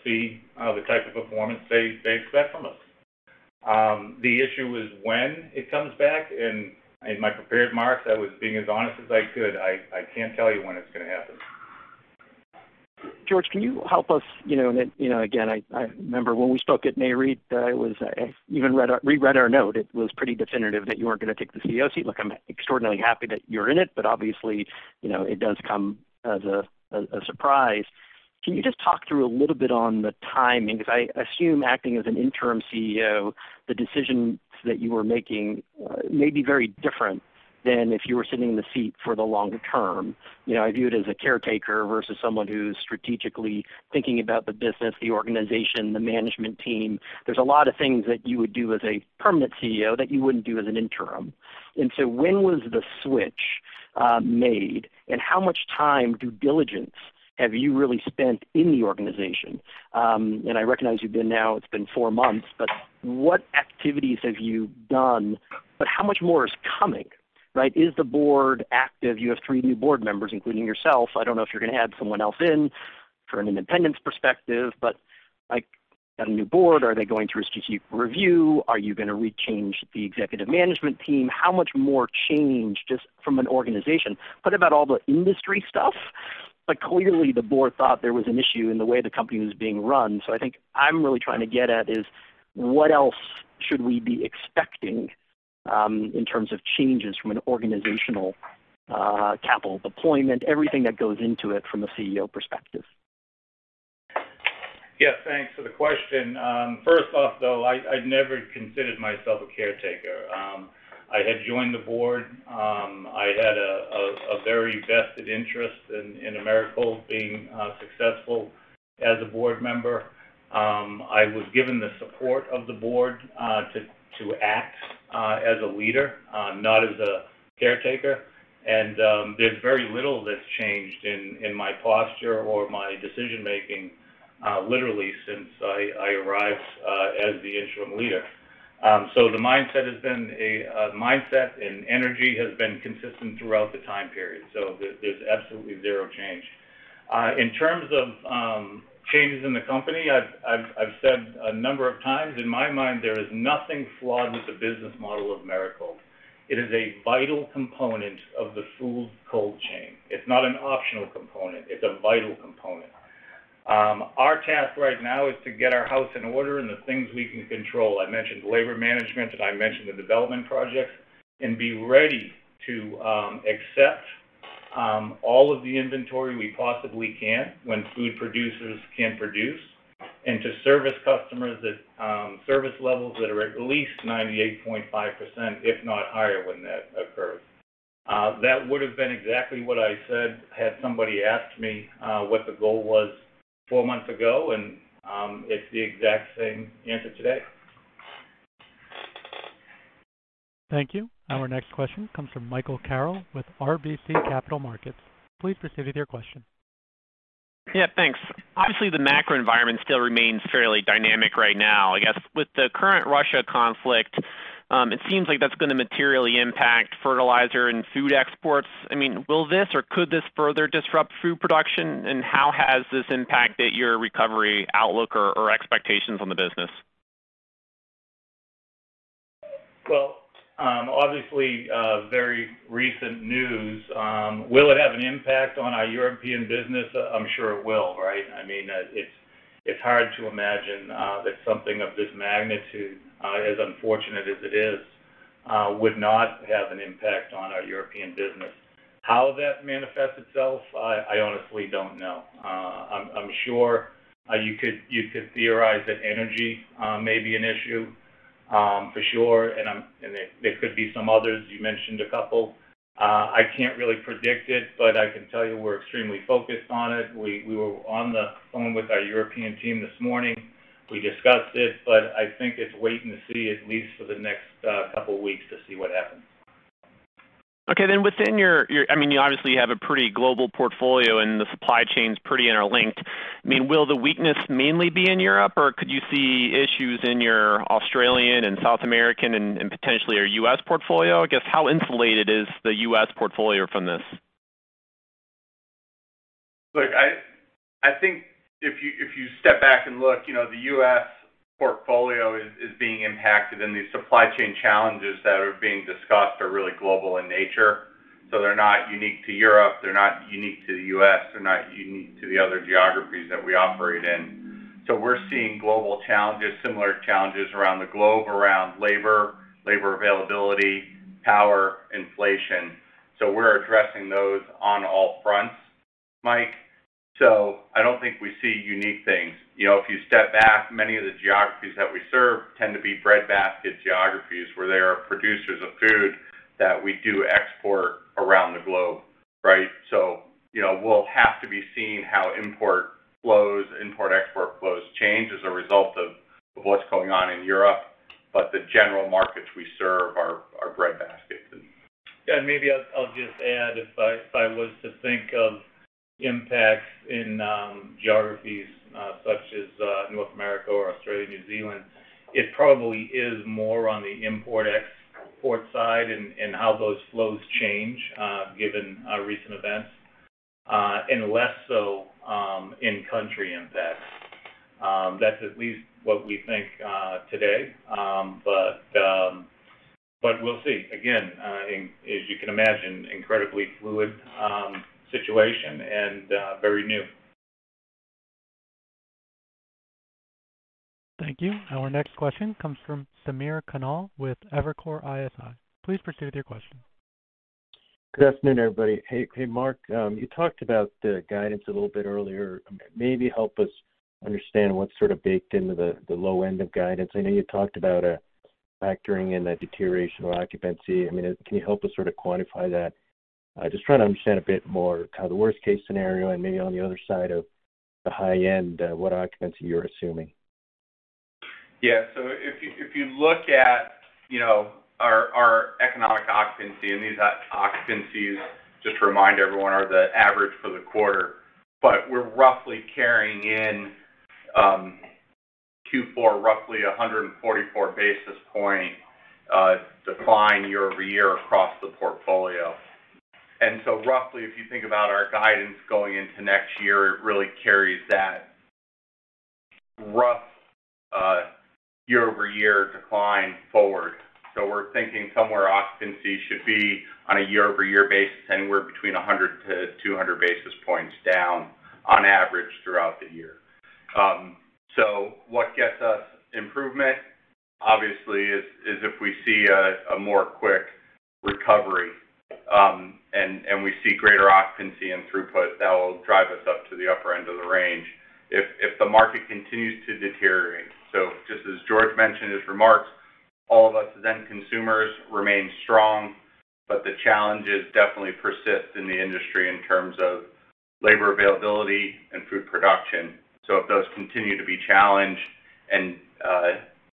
Speaker 3: see the type of performance they expect from us. The issue is when it comes back, and in my prepared remarks, I was being as honest as I could. I can't tell you when it's gonna happen.
Speaker 10: George, can you help us? You know, again, I remember when we spoke at Nareit. I even reread our note. It was pretty definitive that you weren't gonna take the CEO seat. Look, I'm extraordinarily happy that you're in it, but obviously, you know, it does come as a surprise. Can you just talk through a little bit on the timing? 'Cause I assume acting as an interim CEO, the decisions that you are making may be very different than if you were sitting in the seat for the long term. You know, I view it as a caretaker versus someone who's strategically thinking about the business, the organization, the management team. There's a lot of things that you would do as a permanent CEO that you wouldn't do as an interim. When was the switch made, and how much time due diligence have you really spent in the organization? I recognize you've been now, it's been four months, but what activities have you done, but how much more is coming, right? Is the board active? You have three new board members, including yourself. I don't know if you're gonna add someone else in for an independence perspective, but, like, got a new board. Are they going through strategic review? Are you gonna re-change the executive management team? How much more change just from an organization? What about all the industry stuff? Clearly, the board thought there was an issue in the way the company was being run. I think I'm really trying to get at is what else should we be expecting, in terms of changes from an organizational, capital deployment, everything that goes into it from a CEO perspective?
Speaker 3: Yeah. Thanks for the question. First off, though, I'd never considered myself a caretaker. I had joined the board. I had a very vested interest in Americold being successful as a board member. I was given the support of the board to act as a leader, not as a caretaker. There's very little that's changed in my posture or my decision-making literally since I arrived as the interim leader. The mindset has been a mindset and energy has been consistent throughout the time period. There's absolutely zero change. In terms of changes in the company, I've said a number of times, in my mind, there is nothing flawed with the business model of Americold. It is a vital component of the food cold chain. It's not an optional component. It's a vital component. Our task right now is to get our house in order and the things we can control. I mentioned labor management and I mentioned the development projects, and be ready to accept all of the inventory we possibly can when food producers can produce and to service customers at service levels that are at least 98.5%, if not higher, when that occurs. That would have been exactly what I said had somebody asked me what the goal was four months ago, and it's the exact same answer today.
Speaker 1: Thank you. Our next question comes from Michael Carroll with RBC Capital Markets. Please proceed with your question.
Speaker 11: Yeah, thanks. Obviously, the macro environment still remains fairly dynamic right now. I guess with the current Russia conflict, it seems like that's gonna materially impact fertilizer and food exports. I mean, will this or could this further disrupt food production? How has this impacted your recovery outlook or expectations on the business?
Speaker 3: Well, obviously, very recent news. Will it have an impact on our European business? I'm sure it will, right? I mean, it's hard to imagine that something of this magnitude, as unfortunate as it is.
Speaker 5: Would not have an impact on our European business. How that manifests itself, I honestly don't know. I'm sure you could theorize that energy may be an issue for sure, and there could be some others. You mentioned a couple. I can't really predict it, but I can tell you we're extremely focused on it. We were on the phone with our European team this morning. We discussed it, but I think it's wait and see at least for the next couple weeks to see what happens.
Speaker 12: Okay. Within your, I mean, you obviously have a pretty global portfolio, and the supply chain's pretty interlinked. I mean, will the weakness mainly be in Europe, or could you see issues in your Australian and South American and potentially your U.S. portfolio? I guess, how insulated is the U.S. portfolio from this?
Speaker 5: Look, I think if you step back and look, you know, the U.S. portfolio is being impacted, and these supply chain challenges that are being discussed are really global in nature. They're not unique to Europe. They're not unique to the U.S. They're not unique to the other geographies that we operate in. We're seeing global challenges, similar challenges around the globe around labor availability, power, inflation. We're addressing those on all fronts, Mike. I don't think we see unique things. You know, if you step back, many of the geographies that we serve tend to be breadbasket geographies, where they are producers of food that we do export around the globe, right? You know, we'll have to be seeing how import flows, import/export flows change as a result of what's going on in Europe, but the general markets we serve are breadbaskets.
Speaker 3: Yeah, maybe I'll just add, if I was to think of impacts in geographies such as North America or Australia, New Zealand, it probably is more on the import-export side and how those flows change given recent events and less so in country impacts. That's at least what we think today. We'll see. Again, as you can imagine, incredibly fluid situation and very new.
Speaker 1: Thank you. Our next question comes from Samir Khanal with Evercore ISI. Please proceed with your question.
Speaker 13: Good afternoon, everybody. Hey, Marc, you talked about the guidance a little bit earlier. Maybe help us understand what's sort of baked into the low end of guidance. I know you talked about factoring in the deterioration of occupancy. I mean, can you help us sort of quantify that? I'm just trying to understand a bit more kind of the worst case scenario and maybe on the other side of the high end, what occupancy you're assuming.
Speaker 5: Yeah. If you look at, you know, our economic occupancy, and these occupancies, just to remind everyone, are the average for the quarter. We're roughly carrying in Q4 roughly 144 basis point decline year-over-year across the portfolio. Roughly, if you think about our guidance going into next year, it really carries that rough year-over-year decline forward. We're thinking somewhere occupancy should be on a year-over-year basis anywhere between 100-200 basis points down on average throughout the year. What gets us improvement obviously is if we see a more quick recovery, and we see greater occupancy and throughput, that will drive us up to the upper end of the range. If the market continues to deteriorate, just as George mentioned his remarks, all of us end consumers remain strong, but the challenges definitely persist in the industry in terms of labor availability and food production. If those continue to be challenged and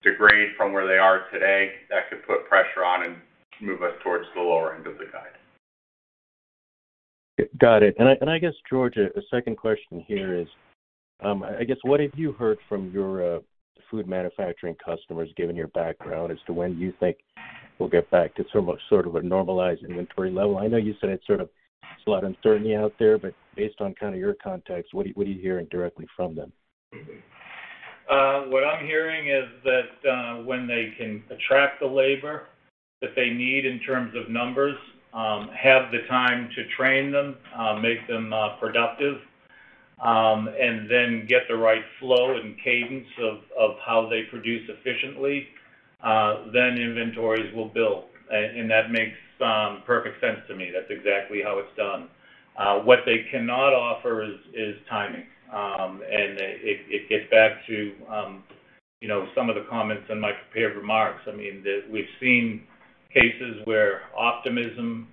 Speaker 5: degrade from where they are today, that could put pressure on and move us towards the lower end of the guidance.
Speaker 13: Got it. I guess, George, a second question here is, I guess what have you heard from your food manufacturing customers, given your background, as to when you think we'll get back to sort of a normalized inventory level? I know you said it's sort of. There's a lot of uncertainty out there, but based on kind of your contacts, what are you hearing directly from them?
Speaker 3: What I'm hearing is that when they can attract the labor that they need in terms of numbers, have the time to train them, make them productive, and then get the right flow and cadence of how they produce efficiently, then inventories will build. That makes perfect sense to me. That's exactly how it's done. What they cannot offer is timing. It gets back to you know, some of the comments in Mike's prepared remarks. I mean, we've seen cases where optimism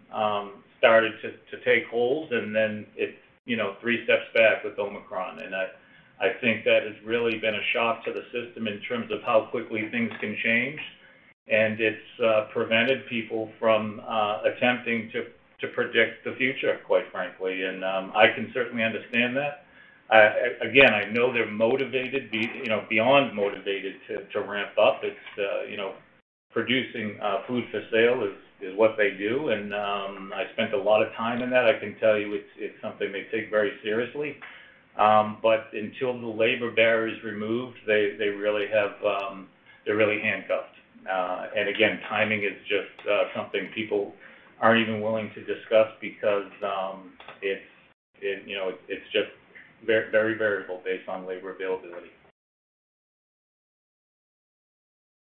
Speaker 3: started to take hold, and then it you know, three steps back with Omicron. I think that has really been a shock to the system in terms of how quickly things can change. It's prevented people from attempting to predict the future, quite frankly. I can certainly understand that. I know they're motivated, you know, beyond motivated to ramp up. It's, you know, producing food for sale is what they do. I spent a lot of time in that. I can tell you it's something they take very seriously. Until the labor barrier is removed, they're really handcuffed. Again, timing is just something people aren't even willing to discuss because it's, you know, it's just very variable based on labor availability.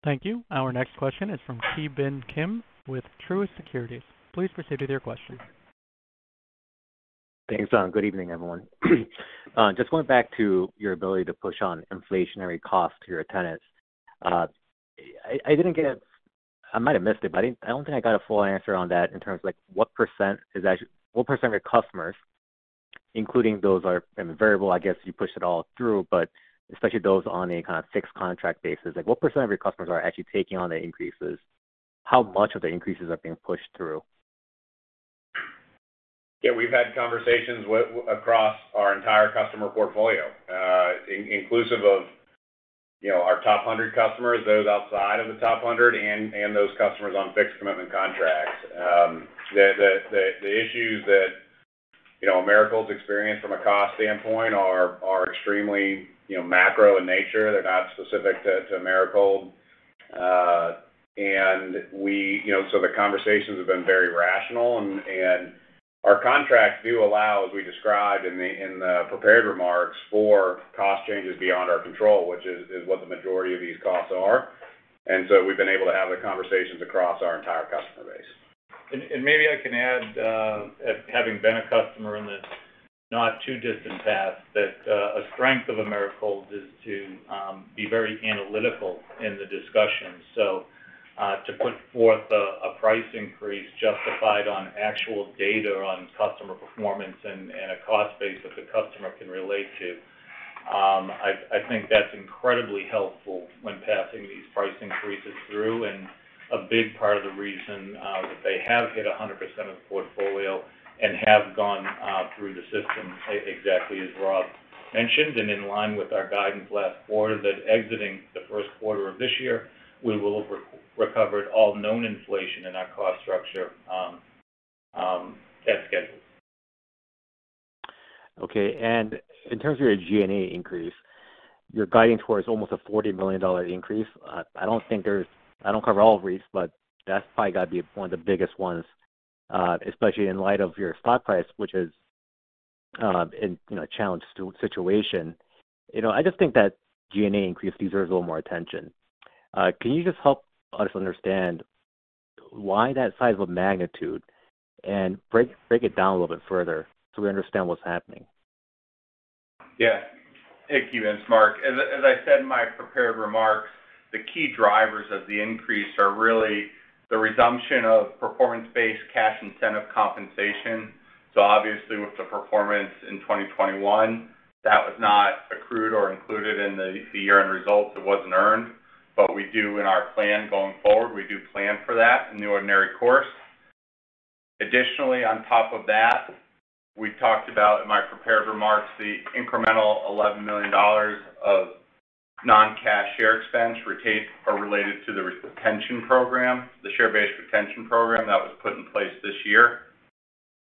Speaker 1: Thank you. Our next question is from Ki Bin Kim with Truist Securities. Please proceed with your question.
Speaker 14: Thanks. Good evening, everyone. Just going back to your ability to push on inflationary costs to your tenants. I might have missed it, but I don't think I got a full answer on that in terms of, like, what % of your customers, including those are in variable, I guess, you push it all through, but especially those on a kind of fixed contract basis. Like, what % of your customers are actually taking on the increases? How much of the increases are being pushed through?
Speaker 5: Yeah, we've had conversations across our entire customer portfolio, inclusive of, you know, our top hundred customers, those outside of the top hundred and those customers on fixed commitment contracts. The issues that, you know, Americold's experienced from a cost standpoint are extremely, you know, macro in nature. They're not specific to Americold. The conversations have been very rational. Our contracts do allow, as we described in the prepared remarks, for cost changes beyond our control, which is what the majority of these costs are. We've been able to have the conversations across our entire customer base.
Speaker 3: Maybe I can add, having been a customer in the not too distant past, that a strength of Americold is to be very analytical in the discussion. To put forth a price increase justified on actual data on customer performance and a cost base that the customer can relate to, I think that's incredibly helpful when passing these price increases through and a big part of the reason that they have hit 100% of the portfolio and have gone through the system exactly as Rob mentioned and in line with our guidance last quarter that exiting the first quarter of this year, we will have recovered all known inflation in our cost structure, as scheduled.
Speaker 14: Okay. In terms of your G&A increase, you're guiding towards almost a $40 million increase. I don't cover all risks, but that's probably gotta be one of the biggest ones, especially in light of your stock price, which is in you know a challenged situation. You know, I just think that G&A increase deserves a little more attention. Can you just help us understand why that size of a magnitude? Break it down a little bit further so we understand what's happening.
Speaker 5: Yeah. Thank you. It's Marc. As I said in my prepared remarks, the key drivers of the increase are really the resumption of performance-based cash incentive compensation. Obviously with the performance in 2021, that was not accrued or included in the year-end results. It wasn't earned. We do in our plan going forward, we do plan for that in the ordinary course. Additionally, on top of that, we talked about in my prepared remarks, the incremental $11 million of non-cash share expense retained or related to the retention program, the share-based retention program that was put in place this year.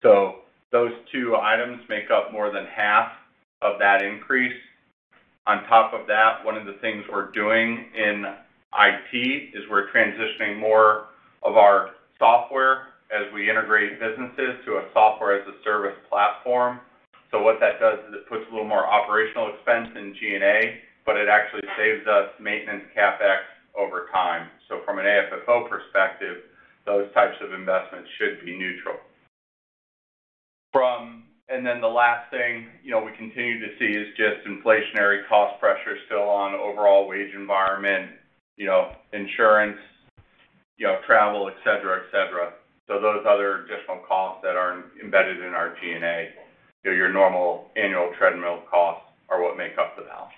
Speaker 5: Those two items make up more than half of that increase. On top of that, one of the things we're doing in IT is we're transitioning more of our software as we integrate businesses to a software as a service platform. What that does is it puts a little more operational expense in SG&A, but it actually saves us maintenance CapEx over time. From an AFFO perspective, those types of investments should be neutral. The last thing, you know, we continue to see is just inflationary cost pressure still on overall wage environment, you know, insurance, you know, travel, et cetera, et cetera. Those other additional costs that are embedded in our SG&A, you know, your normal annual treadmill costs are what make up the balance.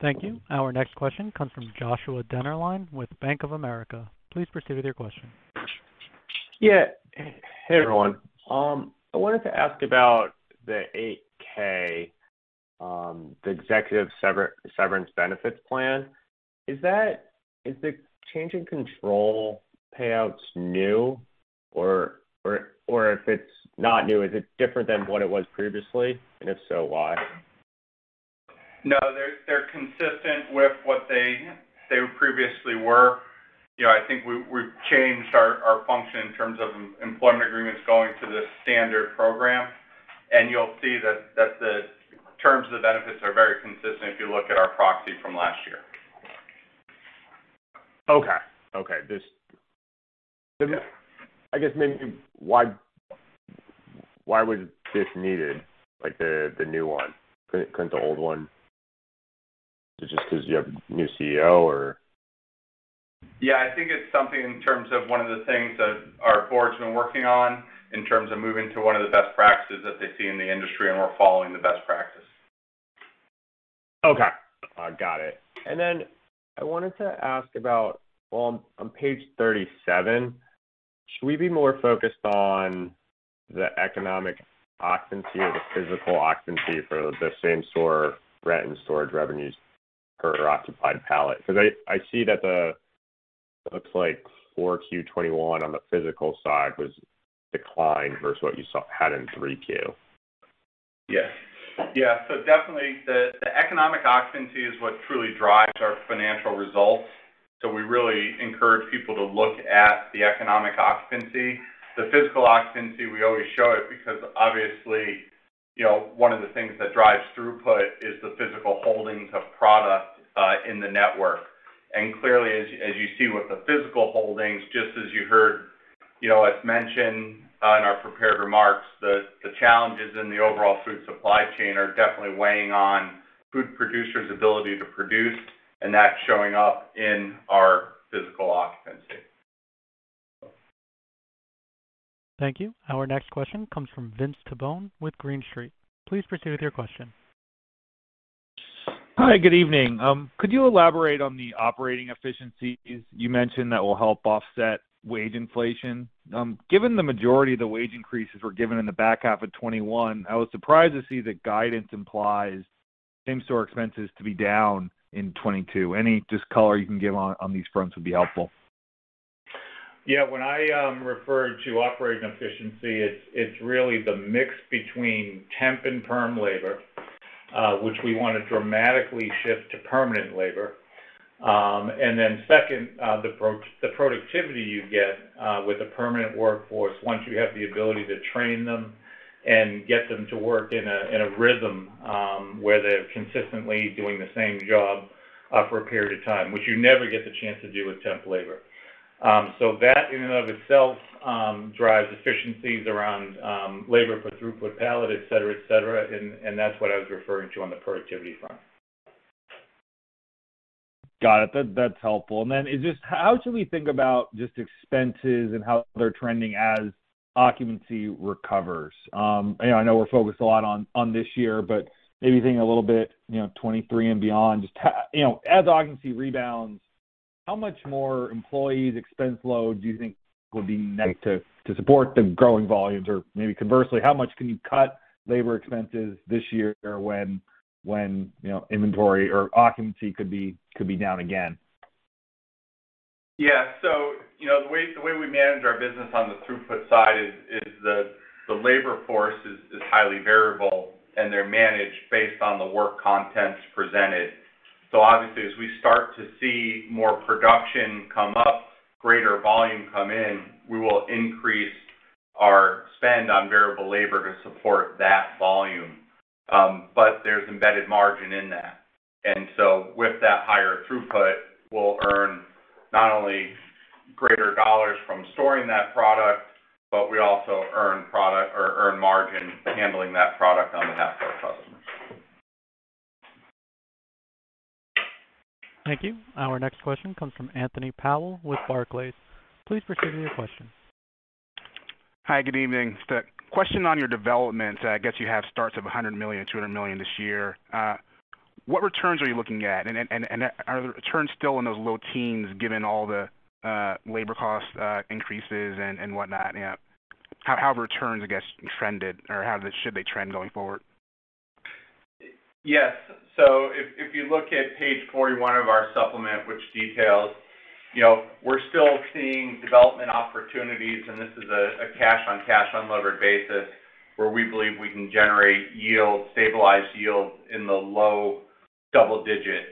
Speaker 1: Thank you. Our next question comes from Joshua Dennerlein with Bank of America. Please proceed with your question.
Speaker 15: Hey, everyone. I wanted to ask about the 8-K, the executive severance benefits plan. Is the change in control payouts new or if it's not new, is it different than what it was previously? If so, why?
Speaker 5: No, they're consistent with what they previously were. You know, I think we've changed our function in terms of employment agreements going to the standard program. You'll see that the terms of the benefits are very consistent if you look at our proxy from last year.
Speaker 15: Okay.
Speaker 5: Yeah.
Speaker 15: I guess maybe why was this needed, like the new one? Couldn't the old one? Is it just 'cause you have new CEO or?
Speaker 5: Yeah, I think it's something in terms of one of the things that our board's been working on in terms of moving to one of the best practices that they see in the industry, and we're following the best practice.
Speaker 15: Okay. I got it. I wanted to ask about, well, on page 37, should we be more focused on the economic occupancy or the physical occupancy for the same-store rent and storage revenues per occupied pallet? 'Cause I see that it looks like 4Q 2021 on the physical side was declined versus what you saw in 3Q.
Speaker 5: Yes. Yeah. Definitely the economic occupancy is what truly drives our financial results. We really encourage people to look at the economic occupancy. The physical occupancy, we always show it because obviously, you know, one of the things that drives throughput is the physical holdings of product in the network. Clearly, as you see with the physical holdings, just as you heard, you know, as mentioned in our prepared remarks, the challenges in the overall food supply chain are definitely weighing on food producers' ability to produce, and that's showing up in our physical occupancy.
Speaker 1: Thank you. Our next question comes from Vince Tibone with Green Street. Please proceed with your question.
Speaker 16: Hi, good evening. Could you elaborate on the operating efficiencies you mentioned that will help offset wage inflation? Given the majority of the wage increases were given in the back half of 2021, I was surprised to see the guidance implies same-store expenses to be down in 2022. Any color you can give on these fronts would be helpful.
Speaker 5: Yeah. When I referred to operating efficiency, it's really the mix between temp and perm labor, which we wanna dramatically shift to permanent labor. Second, the productivity you get with a permanent workforce once you have the ability to train them and get them to work in a rhythm, where they're consistently doing the same job for a period of time, which you never get the chance to do with temp labor. That in and of itself drives efficiencies around labor per throughput pallet, et cetera, et cetera, and that's what I was referring to on the productivity front.
Speaker 17: Got it. That's helful. How should we think about just expenses and how they're trending as occupancy recovers? You know, I know we're focused a lot on this year, but maybe thinking a little bit, you know, 2023 and beyond. Just, you know, as occupancy rebounds, how much more employee expense load do you think will be needed to support the growing volumes? Or maybe conversely, how much can you cut lab or expenses this year when, you know, inventory or occupancy could be down again?
Speaker 5: Yeah, you know, the way we manage our business on the throughput side is the labor force is highly variable, and they're managed based on the work contents presented. Obviously, as we start to see more production come up, greater volume come in, we will increase our spend on variable labor to support that volume. But there's embedded margin in that. With that higher throughput, we'll earn not only greater dollars from storing that product, but we also earn margin handling that product on behalf of our customers.
Speaker 1: Thank you. Our next question comes from Anthony Powell with Barclays. Please proceed with your question.
Speaker 18: Hi, good evening. Question on your development. I guess you have starts of 100 million, 200 million this year. What returns are you looking at? And are the returns still in those low teens given all the labor cost increases and whatnot? Yeah. How have returns, I guess, trended or should they trend going forward?
Speaker 5: Yes. If you look at page 41 of our supplement, which details, you know, we're still seeing development opportunities, and this is a cash-on-cash unlevered basis where we believe we can generate yield, stabilized yield in the low double digits.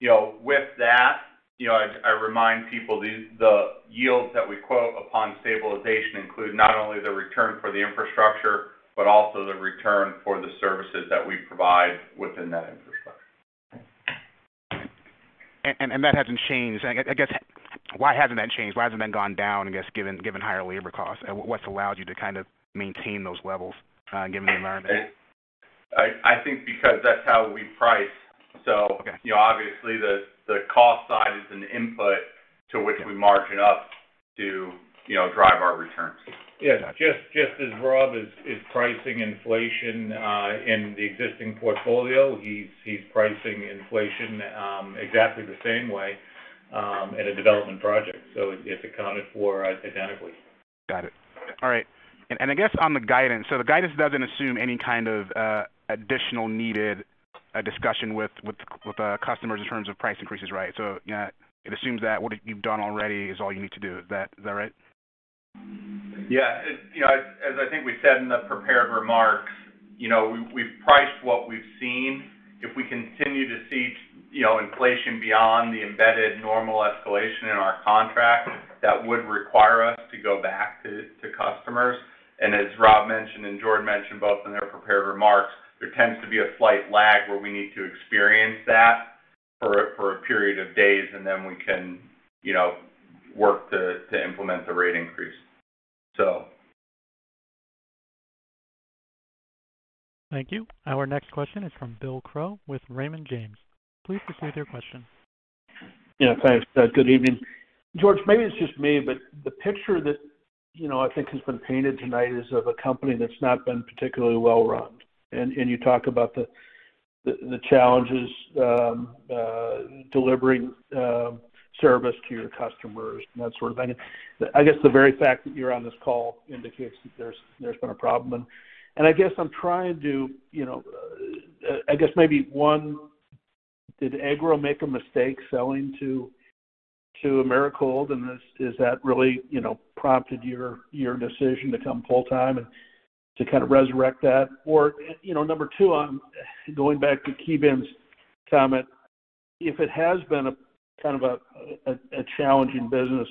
Speaker 5: You know, with that, you know, I remind people these the yields that we quote upon stabilization include not only the return for the infrastructure, but also the return for the services that we provide within that infrastructure.
Speaker 18: that hasn't changed. I guess, why hasn't that changed? Why hasn't that gone down, I guess, given higher labor costs? What's allowed you to kind of maintain those levels, given the environment?
Speaker 5: I think because that's how we price.
Speaker 18: Okay.
Speaker 5: You know, obviously the cost side is an input to which we margin up to, you know, drive our returns.
Speaker 18: Gotcha.
Speaker 5: Just as Rob is pricing inflation in the existing portfolio, he's pricing inflation exactly the same way in a development project. It's accounted for identically.
Speaker 18: Got it. All right. I guess on the guidance, the guidance doesn't assume any kind of additional needed discussion with the customers in terms of price increases, right? You know, it assumes that what you've done already is all you need to do. Is that right?
Speaker 5: Yeah. You know, as I think we said in the prepared remarks, you know, we've priced what we've seen. If we continue to see, you know, inflation beyond the embedded normal escalation in our contract, that would require us to go back to customers. As Rob mentioned and George mentioned both in their prepared remarks, there tends to be a slight lag where we need to experience that for a period of days, and then we can, you know, work to implement the rate increase.
Speaker 1: Thank you. Our next question is from Bill Crow with Raymond James. Please proceed with your question.
Speaker 19: Yeah. Thanks. Good evening. George, maybe it's just me, but the picture that, you know, I think has been painted tonight is of a company that's not been particularly well run. You talk about the challenges delivering service to your customers and that sort of thing. I guess the very fact that you're on this call indicates that there's been a problem and I guess I'm trying to, you know. I guess maybe one, did AGRO make a mistake selling to To Americold, is that really, you know, prompted your decision to come full time and to kind of resurrect that? Number two, I'm going back to KeyBanc's comment. If it has been a kind of a challenging business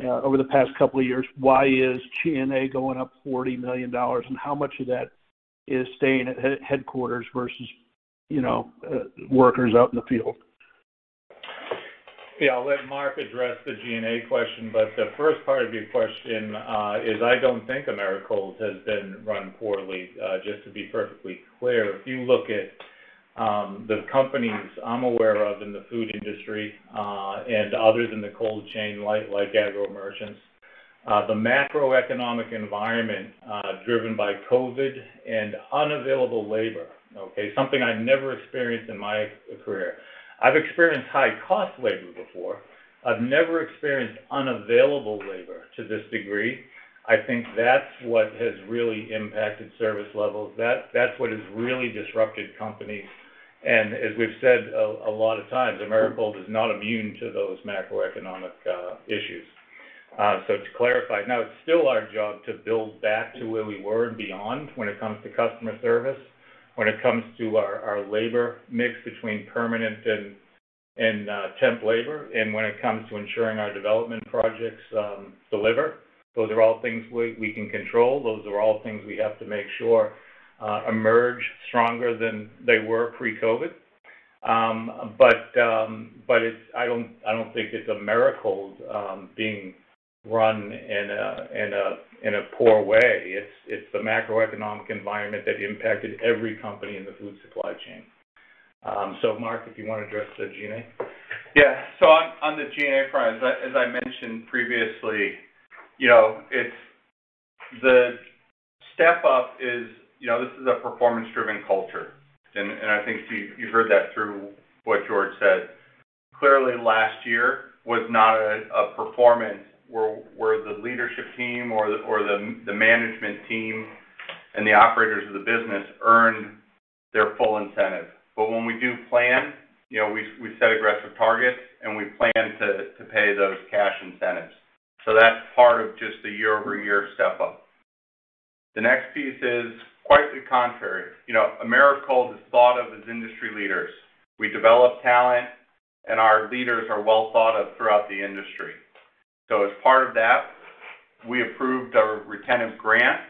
Speaker 19: over the past couple of years, why is G&A going up $40 million, and how much of that is staying at headquarters versus, you know, workers out in the field?
Speaker 3: Yeah, I'll let Marc address the G&A question, but the first part of your question is I don't think Americold has been run poorly, just to be perfectly clear. If you look at the companies I'm aware of in the food industry and other than the cold chain, like Agro Merchants, the macroeconomic environment driven by COVID and unavailable labor, okay, something I've never experienced in my career. I've experienced high-cost labor before. I've never experienced unavailable labor to this degree. I think that's what has really impacted service levels. That's what has really disrupted companies. As we've said a lot of times, Americold is not immune to those macroeconomic issues. To clarify, now it's still our job to build back to where we were and beyond when it comes to customer service, when it comes to our labor mix between permanent and temp labor, and when it comes to ensuring our development projects deliver. Those are all things we can control. Those are all things we have to make sure emerge stronger than they were pre-COVID. I don't think it's Americold being run in a poor way. It's the macroeconomic environment that impacted every company in the food supply chain. Marc, if you wanna address the G&A.
Speaker 5: Yeah. On the SG&A front, as I mentioned previously, you know, it's the step up. You know, this is a performance-driven culture. I think you've heard that through what George said. Clearly, last year was not a performance where the leadership team or the management team and the operators of the business earned their full incentive. When we do plan, you know, we set aggressive targets, and we plan to pay those cash incentives. That's part of just the year-over-year step up. The next piece is quite the contrary. You know, Americold is thought of as industry leaders. We develop talent, and our leaders are well thought of throughout the industry. As part of that, we approved our retention grant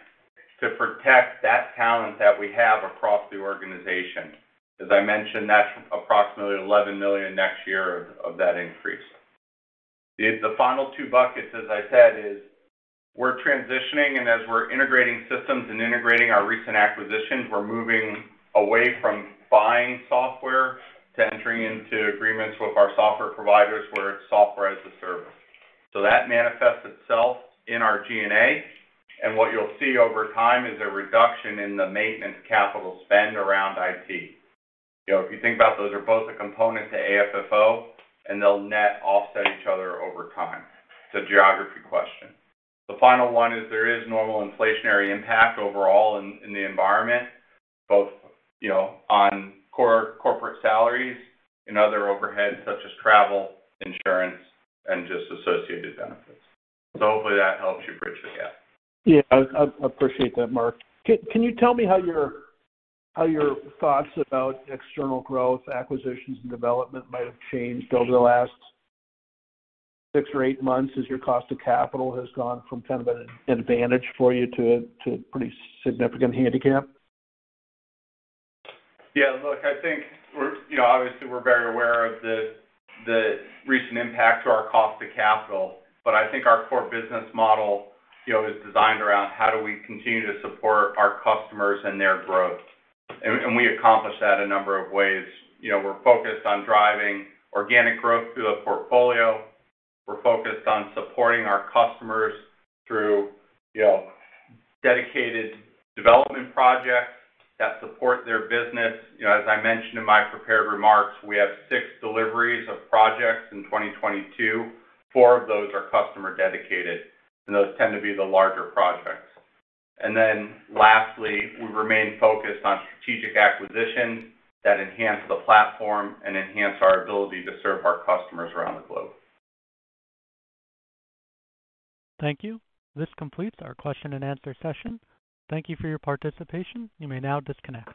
Speaker 5: to protect that talent that we have across the organization. As I mentioned, that's approximately 11 million next year of that increase. The final two buckets, as I said, is we're transitioning, and as we're integrating systems and integrating our recent acquisitions, we're moving away from buying software to entering into agreements with our software providers where it's software as a service. So that manifests itself in our G&A, and what you'll see over time is a reduction in the maintenance capital spend around IT. You know, if you think about those are both a component to AFFO, and they'll net offset each other over time. It's a geography question. The final one is there is normal inflationary impact overall in the environment, both, you know, on corporate salaries and other overheads such as travel, insurance, and just associated benefits. So hopefully that helps you bridge the gap.
Speaker 19: Yeah. I appreciate that, Marc. Can you tell me how your thoughts about external growth, acquisitions, and development might have changed over the last six or eight months as your cost of capital has gone from kind of an advantage for you to a pretty significant handicap?
Speaker 5: Yeah. Look, I think we're you know, obviously very aware of the recent impact to our cost of capital, but I think our core business model you know, is designed around how we continue to support our customers and their growth. We accomplish that a number of ways. You know, we're focused on driving organic growth through a portfolio. We're focused on supporting our customers through you know, dedicated development projects that support their business. You know, as I mentioned in my prepared remarks, we have six deliveries of projects in 2022. Four of those are customer dedicated, and those tend to be the larger projects. Then lastly, we remain focused on strategic acquisitions that enhance the platform and enhance our ability to serve our customers around the globe.
Speaker 1: Thank you. This completes our question and answer session. Thank you for your participation. You may now disconnect.